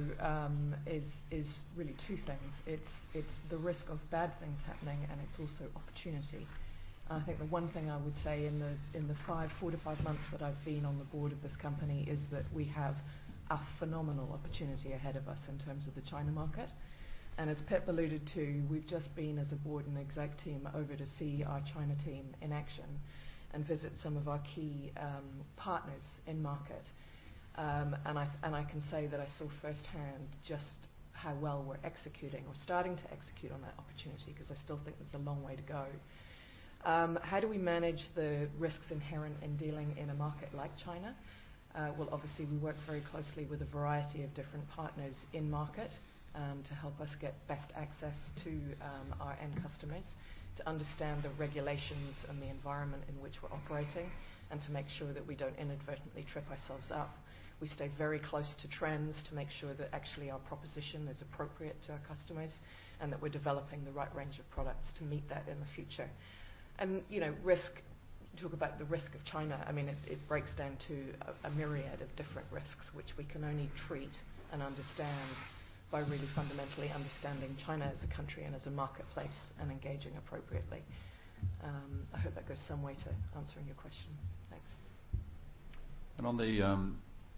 is, is really two things. It's, it's the risk of bad things happening, and it's also opportunity. And I think the one thing I would say in the, in the four to five months that I've been on the board of this company, is that we have a phenomenal opportunity ahead of us in terms of the China market. And as Pip alluded to, we've just been, as a board and exec team, over to see our China team in action and visit some of our key, partners in market. And I, and I can say that I saw firsthand just how well we're executing or starting to execute on that opportunity, 'cause I still think there's a long way to go. How do we manage the risks inherent in dealing in a market like China? Well, obviously, we work very closely with a variety of different partners in market to help us get best access to our end customers, to understand the regulations and the environment in which we're operating, and to make sure that we don't inadvertently trip ourselves up. We stay very close to trends to make sure that actually our proposition is appropriate to our customers, and that we're developing the right range of products to meet that in the future. You know, risk, talk about the risk of China, I mean, it breaks down to a myriad of different risks, which we can only treat and understand by really fundamentally understanding China as a country and as a marketplace, and engaging appropriately. I hope that goes some way to answering your question. Thanks. And on the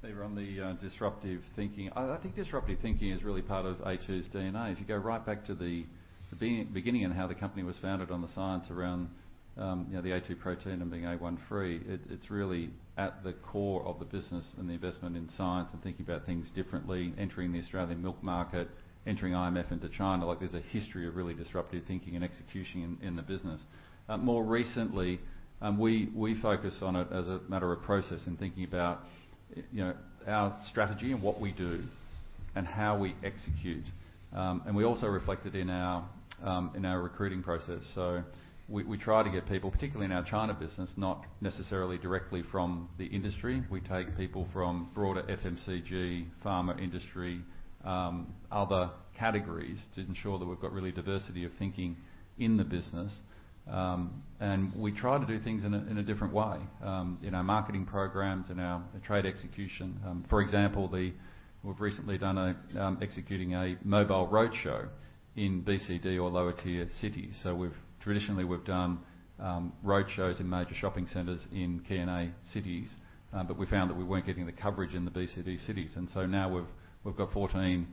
Eva, on the disruptive thinking, I think disruptive thinking is really part of a2's DNA. If you go right back to the beginning and how the company was founded on the science around you know the a2 protein and being A1 free, it's really at the core of the business and the investment in science and thinking about things differently, entering the Australian milk market, entering IMF into China. Like, there's a history of really disruptive thinking and execution in the business. More recently, we focus on it as a matter of process and thinking about you know our strategy and what we do and how we execute. And we also reflect it in our recruiting process. We try to get people, particularly in our China business, not necessarily directly from the industry. We take people from broader FMCG, pharma industry, other categories, to ensure that we've got really diversity of thinking in the business. We try to do things in a different way, in our marketing programs and our trade execution. For example, we've recently done executing a mobile roadshow in BCD or lower-tier cities. So we've traditionally, we've done roadshows in major shopping centers in NKA cities, but we found that we weren't getting the coverage in the BCD cities, and so now we've got 14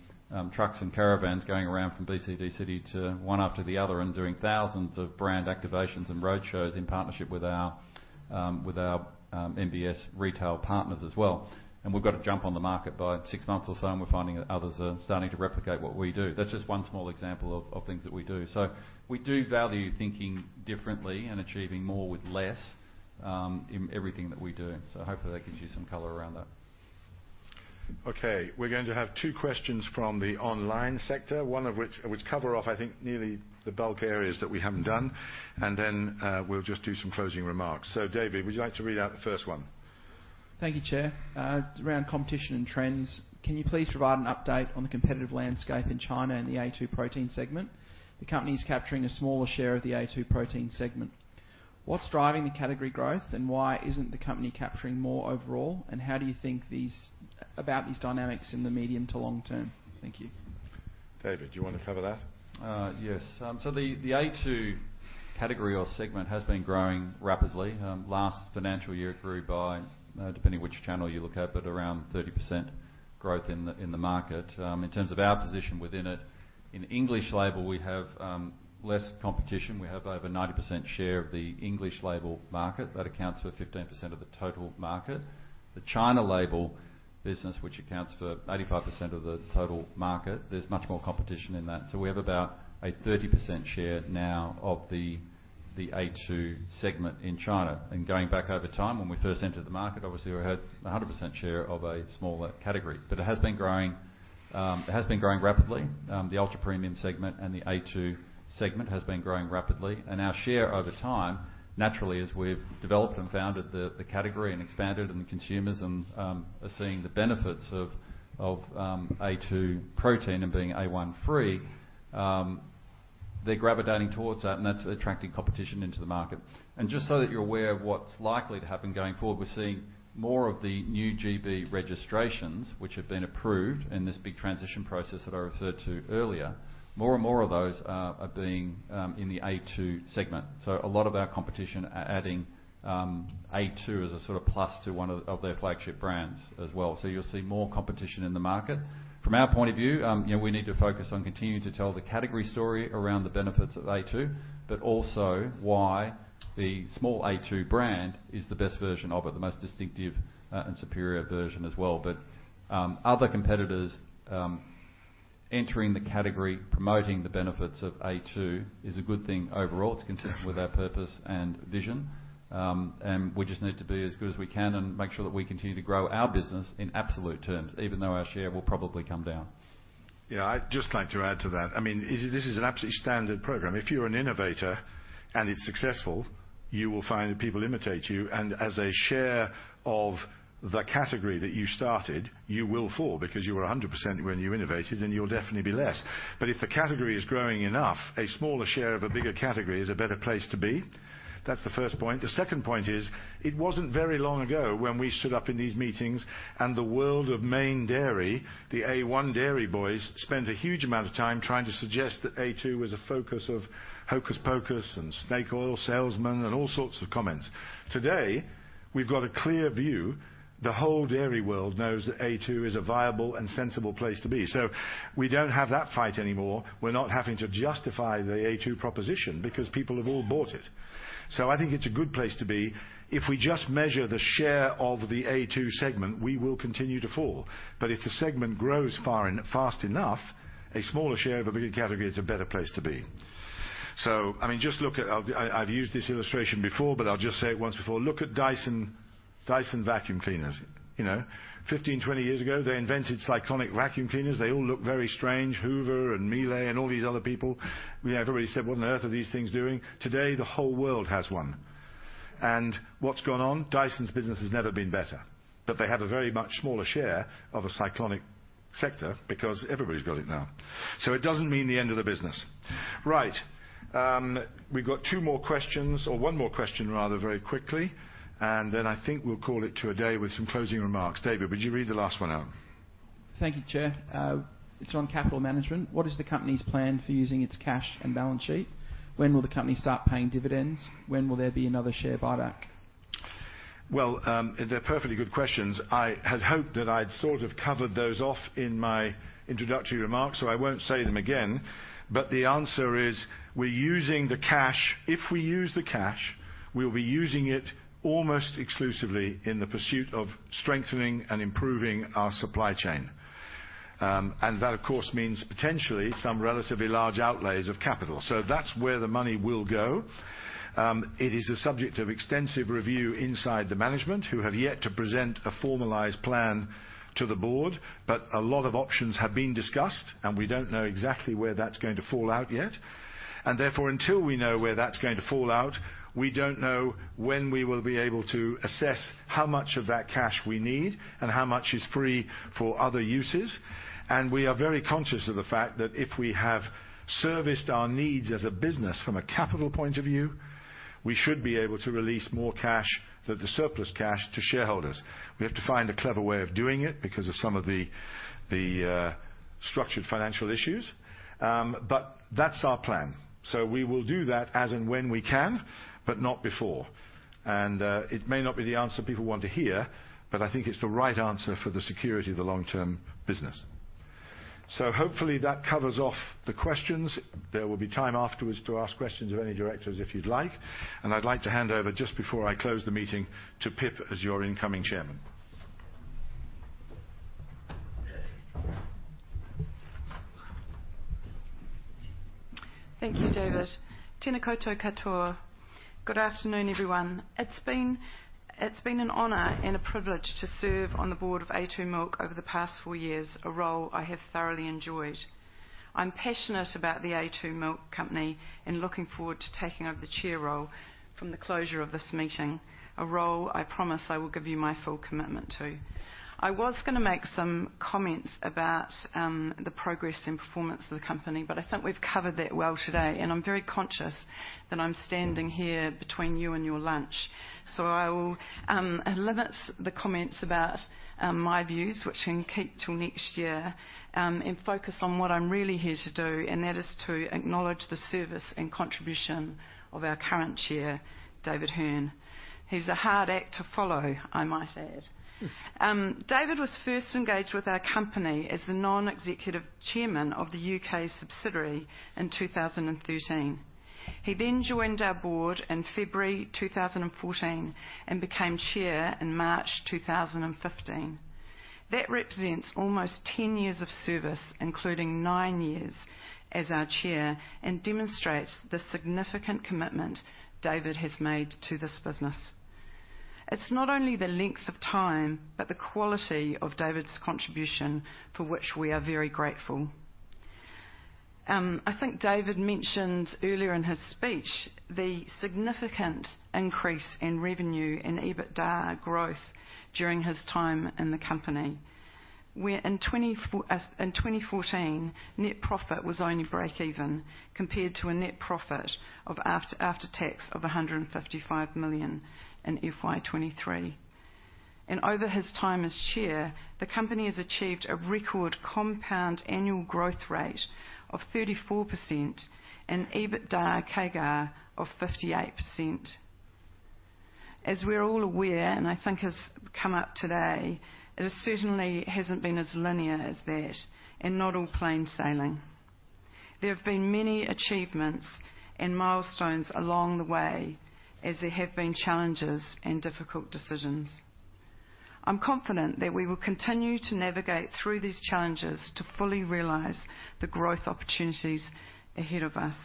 trucks and caravans going around from BCD city to one after the other and doing thousands of brand activations and roadshows in partnership with our MBS retail partners as well. And we've got a jump on the market by six months or so, and we're finding that others are starting to replicate what we do. That's just one small example of things that we do. So we do value thinking differently and achieving more with less in everything that we do. So hopefully that gives you some color around that. Okay. We're going to have two questions from the online sector, one of which, which cover off, I think, nearly the bulk areas that we haven't done, and then, we'll just do some closing remarks. So, David, would you like to read out the first one? Thank you, Chair. It's around competition and trends. Can you please provide an update on the competitive landscape in China and the A2 protein segment? The company is capturing a smaller share of the A2 protein segment. What's driving the category growth, and why isn't the company capturing more overall, and how do you think about these dynamics in the medium to long term? Thank you. David, do you want to cover that? Yes. So the a2 category or segment has been growing rapidly. Last financial year, it grew by, depending on which channel you look at, but around 30% growth in the market. In terms of our position within it, in English label, we have less competition. We have over 90% share of the English label market. That accounts for 15% of the total market. The China label business, which accounts for 85% of the total market, there's much more competition in that. So we have about a 30% share now of the-... the a2 segment in China. And going back over time, when we first entered the market, obviously, we had 100% share of a smaller category. But it has been growing, it has been growing rapidly. The ultra-premium segment and the a2 segment has been growing rapidly, and our share over time, naturally, as we've developed and founded the, the category and expanded and the consumers are seeing the benefits of a2 protein and being A1 free, they're gravitating towards that, and that's attracting competition into the market. And just so that you're aware of what's likely to happen going forward, we're seeing more of the new GB registrations, which have been approved in this big transition process that I referred to earlier. More and more of those are being in the a2 segment. So a lot of our competition are adding a2 as a sort of plus to one of their flagship brands as well. So you'll see more competition in the market. From our point of view, you know, we need to focus on continuing to tell the category story around the benefits of a2, but also why the small a2 brand is the best version of it, the most distinctive, and superior version as well. But other competitors entering the category, promoting the benefits of a2, is a good thing overall. It's consistent with our purpose and vision. And we just need to be as good as we can and make sure that we continue to grow our business in absolute terms, even though our share will probably come down. Yeah, I'd just like to add to that. I mean, this, this is an absolutely standard program. If you're an innovator and it's successful, you will find that people imitate you, and as a share of the category that you started, you will fall because you were 100% when you innovated, and you'll definitely be less. But if the category is growing enough, a smaller share of a bigger category is a better place to be. That's the first point. The second point is, it wasn't very long ago when we stood up in these meetings and the world of main dairy, the A1 dairy boys, spent a huge amount of time trying to suggest that a2 was a focus of hocus pocus and snake oil salesman, and all sorts of comments. Today, we've got a clear view. The whole dairy world knows that a2 is a viable and sensible place to be. So we don't have that fight anymore. We're not having to justify the a2 proposition because people have all bought it. So I think it's a good place to be. If we just measure the share of the a2 segment, we will continue to fall. But if the segment grows far and fast enough, a smaller share of a bigger category is a better place to be. So I mean, just look at... I've used this illustration before, but I'll just say it once before. Look at Dyson, Dyson vacuum cleaners. You know, 15, 20 years ago, they invented cyclonic vacuum cleaners. They all looked very strange, Hoover and Miele and all these other people. We have already said, "What on earth are these things doing?" Today, the whole world has one. What's gone on? Dyson's business has never been better, but they have a very much smaller share of a cyclonic sector because everybody's got it now. So it doesn't mean the end of the business. Right. We've got two more questions, or one more question, rather, very quickly, and then I think we'll call it a day with some closing remarks. David, would you read the last one out? Thank you, Chair. It's on capital management. What is the company's plan for using its cash and balance sheet? When will the company start paying dividends? When will there be another share buyback? Well, they're perfectly good questions. I had hoped that I'd sort of covered those off in my introductory remarks, so I won't say them again. But the answer is, we're using the cash. If we use the cash, we'll be using it almost exclusively in the pursuit of strengthening and improving our supply chain. And that, of course, means potentially some relatively large outlays of capital. So that's where the money will go. It is a subject of extensive review inside the management, who have yet to present a formalized plan to the board, but a lot of options have been discussed, and we don't know exactly where that's going to fall out yet. And therefore, until we know where that's going to fall out, we don't know when we will be able to assess how much of that cash we need and how much is free for other uses. And we are very conscious of the fact that if we have serviced our needs as a business from a capital point of view, we should be able to release more cash, the surplus cash, to shareholders. We have to find a clever way of doing it because of some of the structured financial issues. But that's our plan. So we will do that as and when we can, but not before. And, it may not be the answer people want to hear, but I think it's the right answer for the security of the long-term business. So hopefully, that covers off the questions. There will be time afterwards to ask questions of any directors if you'd like, and I'd like to hand over just before I close the meeting to Pip, as your incoming Chairman. Thank you, David. Tena koutou katoa. Good afternoon, everyone. It's been an honor and a privilege to serve on the board of a2 Milk over the past four years, a role I have thoroughly enjoyed. I'm passionate about the a2 Milk Company and looking forward to taking over the chair role from the closure of this meeting, a role I promise I will give you my full commitment to. I was gonna make some comments about the progress and performance of the company, but I think we've covered that well today, and I'm very conscious that I'm standing here between you and your lunch. So I will limit the comments about my views, which I can keep till next year, and focus on what I'm really here to do, and that is to acknowledge the service and contribution of our current chair, David Hearn. He's a hard act to follow, I might add. David was first engaged with our company as the non-executive chairman of the U.K. subsidiary in 2013. He then joined our board in February 2014 and became chair in March 2015. That represents almost 10 years of service, including nine years as our chair, and demonstrates the significant commitment David has made to this business. ... It's not only the length of time, but the quality of David's contribution, for which we are very grateful. I think David mentioned earlier in his speech, the significant increase in revenue and EBITDA growth during his time in the company, where in 2014, net profit was only breakeven, compared to a net profit after tax of 155 million in FY 2023. Over his time as Chair, the company has achieved a record compound annual growth rate of 34% and EBITDA CAGR of 58%. As we're all aware, and I think has come up today, it certainly hasn't been as linear as that and not all plain sailing. There have been many achievements and milestones along the way, as there have been challenges and difficult decisions. I'm confident that we will continue to navigate through these challenges to fully realize the growth opportunities ahead of us,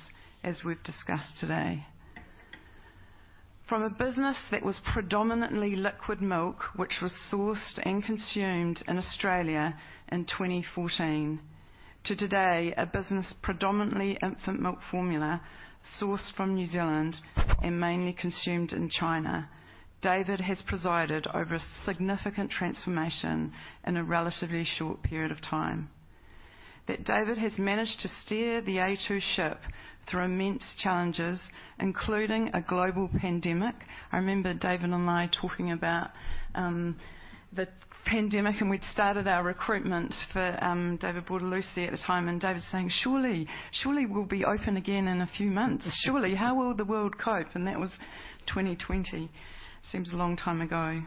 as we've discussed today. From a business that was predominantly liquid milk, which was sourced and consumed in Australia in 2014, to today, a business predominantly infant milk formula, sourced from New Zealand and mainly consumed in China. David has presided over a significant transformation in a relatively short period of time. That David has managed to steer the a2 ship through immense challenges, including a global pandemic. I remember David and I talking about the pandemic, and we'd started our recruitment for David Bortolussi at the time, and David saying: "Surely, surely we'll be open again in a few months. Surely. How will the world cope?" And that was 2020. Seems a long time ago.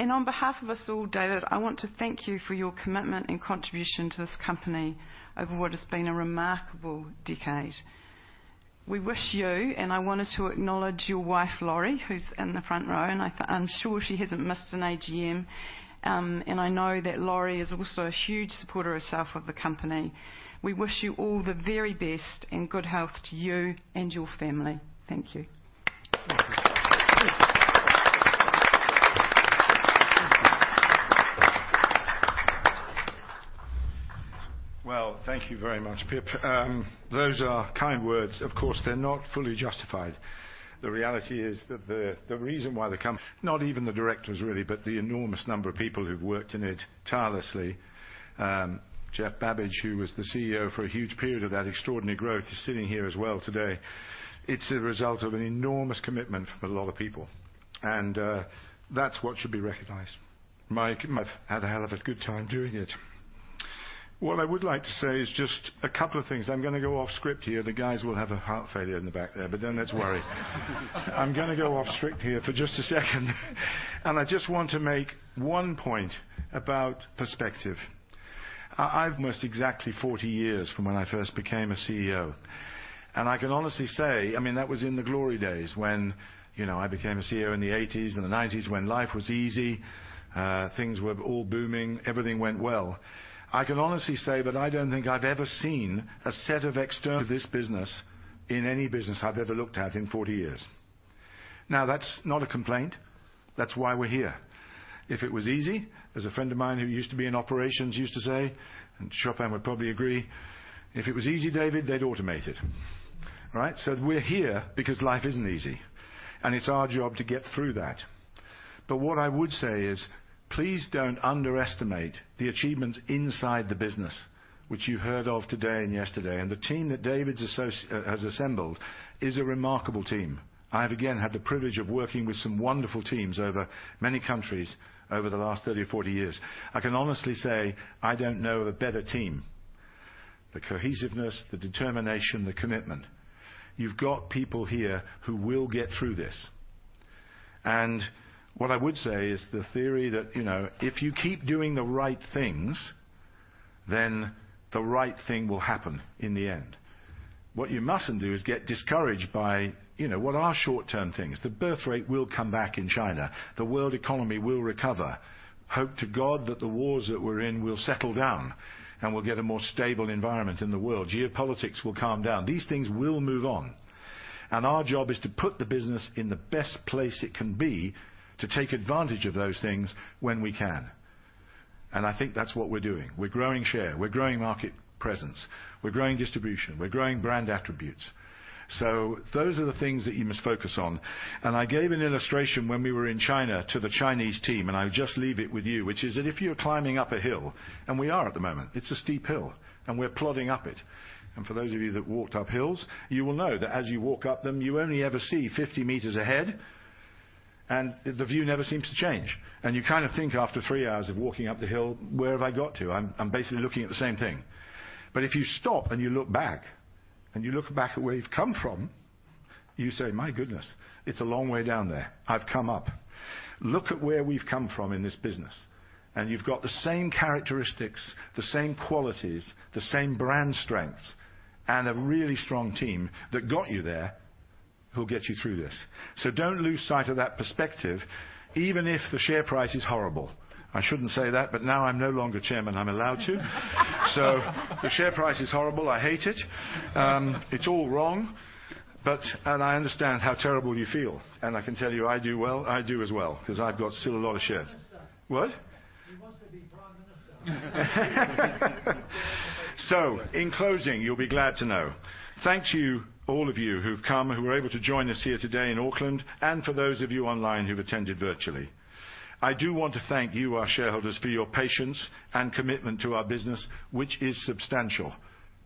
And on behalf of us all, David, I want to thank you for your commitment and contribution to this company over what has been a remarkable decade. We wish you, and I wanted to acknowledge your wife, Laurie, who's in the front row, and I'm sure she hasn't missed an AGM. And I know that Laurie is also a huge supporter herself of the company. We wish you all the very best and good health to you and your family. Thank you. Well, thank you very much, Pip. Those are kind words. Of course, they're not fully justified. The reality is that the reason why the comp... Not even the directors, really, but the enormous number of people who've worked in it tirelessly. Geoffrey Babidge, who was the CEO for a huge period of that extraordinary growth, is sitting here as well today. It's the result of an enormous commitment from a lot of people, and that's what should be recognized. My, I've had a hell of a good time doing it. What I would like to say is just a couple of things. I'm gonna go off script here. The guys will have a heart failure in the back there, but don't let's worry. I'm gonna go off script here for just a second, and I just want to make one point about perspective. I've almost exactly 40 years from when I first became a CEO, and I can honestly say, I mean, that was in the glory days when, you know, I became a CEO in the 1980s and the 1990s, when life was easy, things were all booming, everything went well. I can honestly say that I don't think I've ever seen a set of external to this business in any business I've ever looked at in 40 years. Now, that's not a complaint. That's why we're here. If it was easy, there's a friend of mine who used to be in operations, used to say, and Chopin would probably agree, "If it was easy, David, they'd automate it." Right? So we're here because life isn't easy, and it's our job to get through that. But what I would say is, please don't underestimate the achievements inside the business, which you heard of today and yesterday. The team that David has assembled is a remarkable team. I've, again, had the privilege of working with some wonderful teams over many countries over the last 30 or 40 years. I can honestly say I don't know a better team. The cohesiveness, the determination, the commitment. You've got people here who will get through this. What I would say is the theory that, you know, if you keep doing the right things, then the right thing will happen in the end. What you mustn't do is get discouraged by, you know, what are short-term things. The birth rate will come back in China. The world economy will recover. Hope to God that the wars that we're in will settle down, and we'll get a more stable environment in the world. Geopolitics will calm down. These things will move on, and our job is to put the business in the best place it can be to take advantage of those things when we can. I think that's what we're doing. We're growing share, we're growing market presence, we're growing distribution, we're growing brand attributes. Those are the things that you must focus on. I gave an illustration when we were in China to the Chinese team, and I would just leave it with you, which is that if you're climbing up a hill, and we are at the moment. It's a steep hill, and we're plodding up it. For those of you who that walked up hills, you will know that as you walk up them, you only ever see 50 meters ahead, and the view never seems to change. And you kind of think, after three hours of walking up the hill: Where have I got to? I'm, I'm basically looking at the same thing. But if you stop and you look back, and you look back at where you've come from, you say: My goodness, it's a long way down there. I've come up. Look at where we've come from in this business, and you've got the same characteristics, the same qualities, the same brand strengths, and a really strong team that got you there, who'll get you through this. So don't lose sight of that perspective, even if the share price is horrible. I shouldn't say that, but now I'm no longer chairman, I'm allowed to. So the share price is horrible. I hate it. It's all wrong, but... And I understand how terrible you feel. And I can tell you, I do well. I do as well, because I've got still a lot of shares. Prime minister. What? You must have been prime minister. So in closing, you'll be glad to know. Thank you, all of you who've come, who were able to join us here today in Auckland, and for those of you online who've attended virtually. I do want to thank you, our shareholders, for your patience and commitment to our business, which is substantial,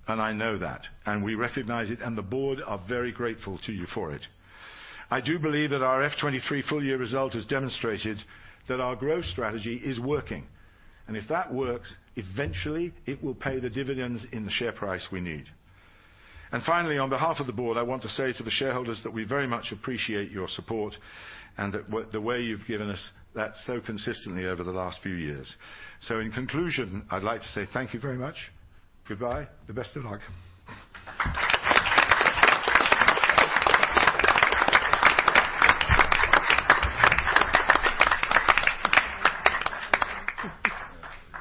and I know that, and we recognize it, and the board are very grateful to you for it. I do believe that our FY 2023 full year result has demonstrated that our growth strategy is working, and if that works, eventually it will pay the dividends in the share price we need. And finally, on behalf of the board, I want to say to the shareholders that we very much appreciate your support and the way you've given us that so consistently over the last few years. In conclusion, I'd like to say thank you very much. Goodbye. The best of luck.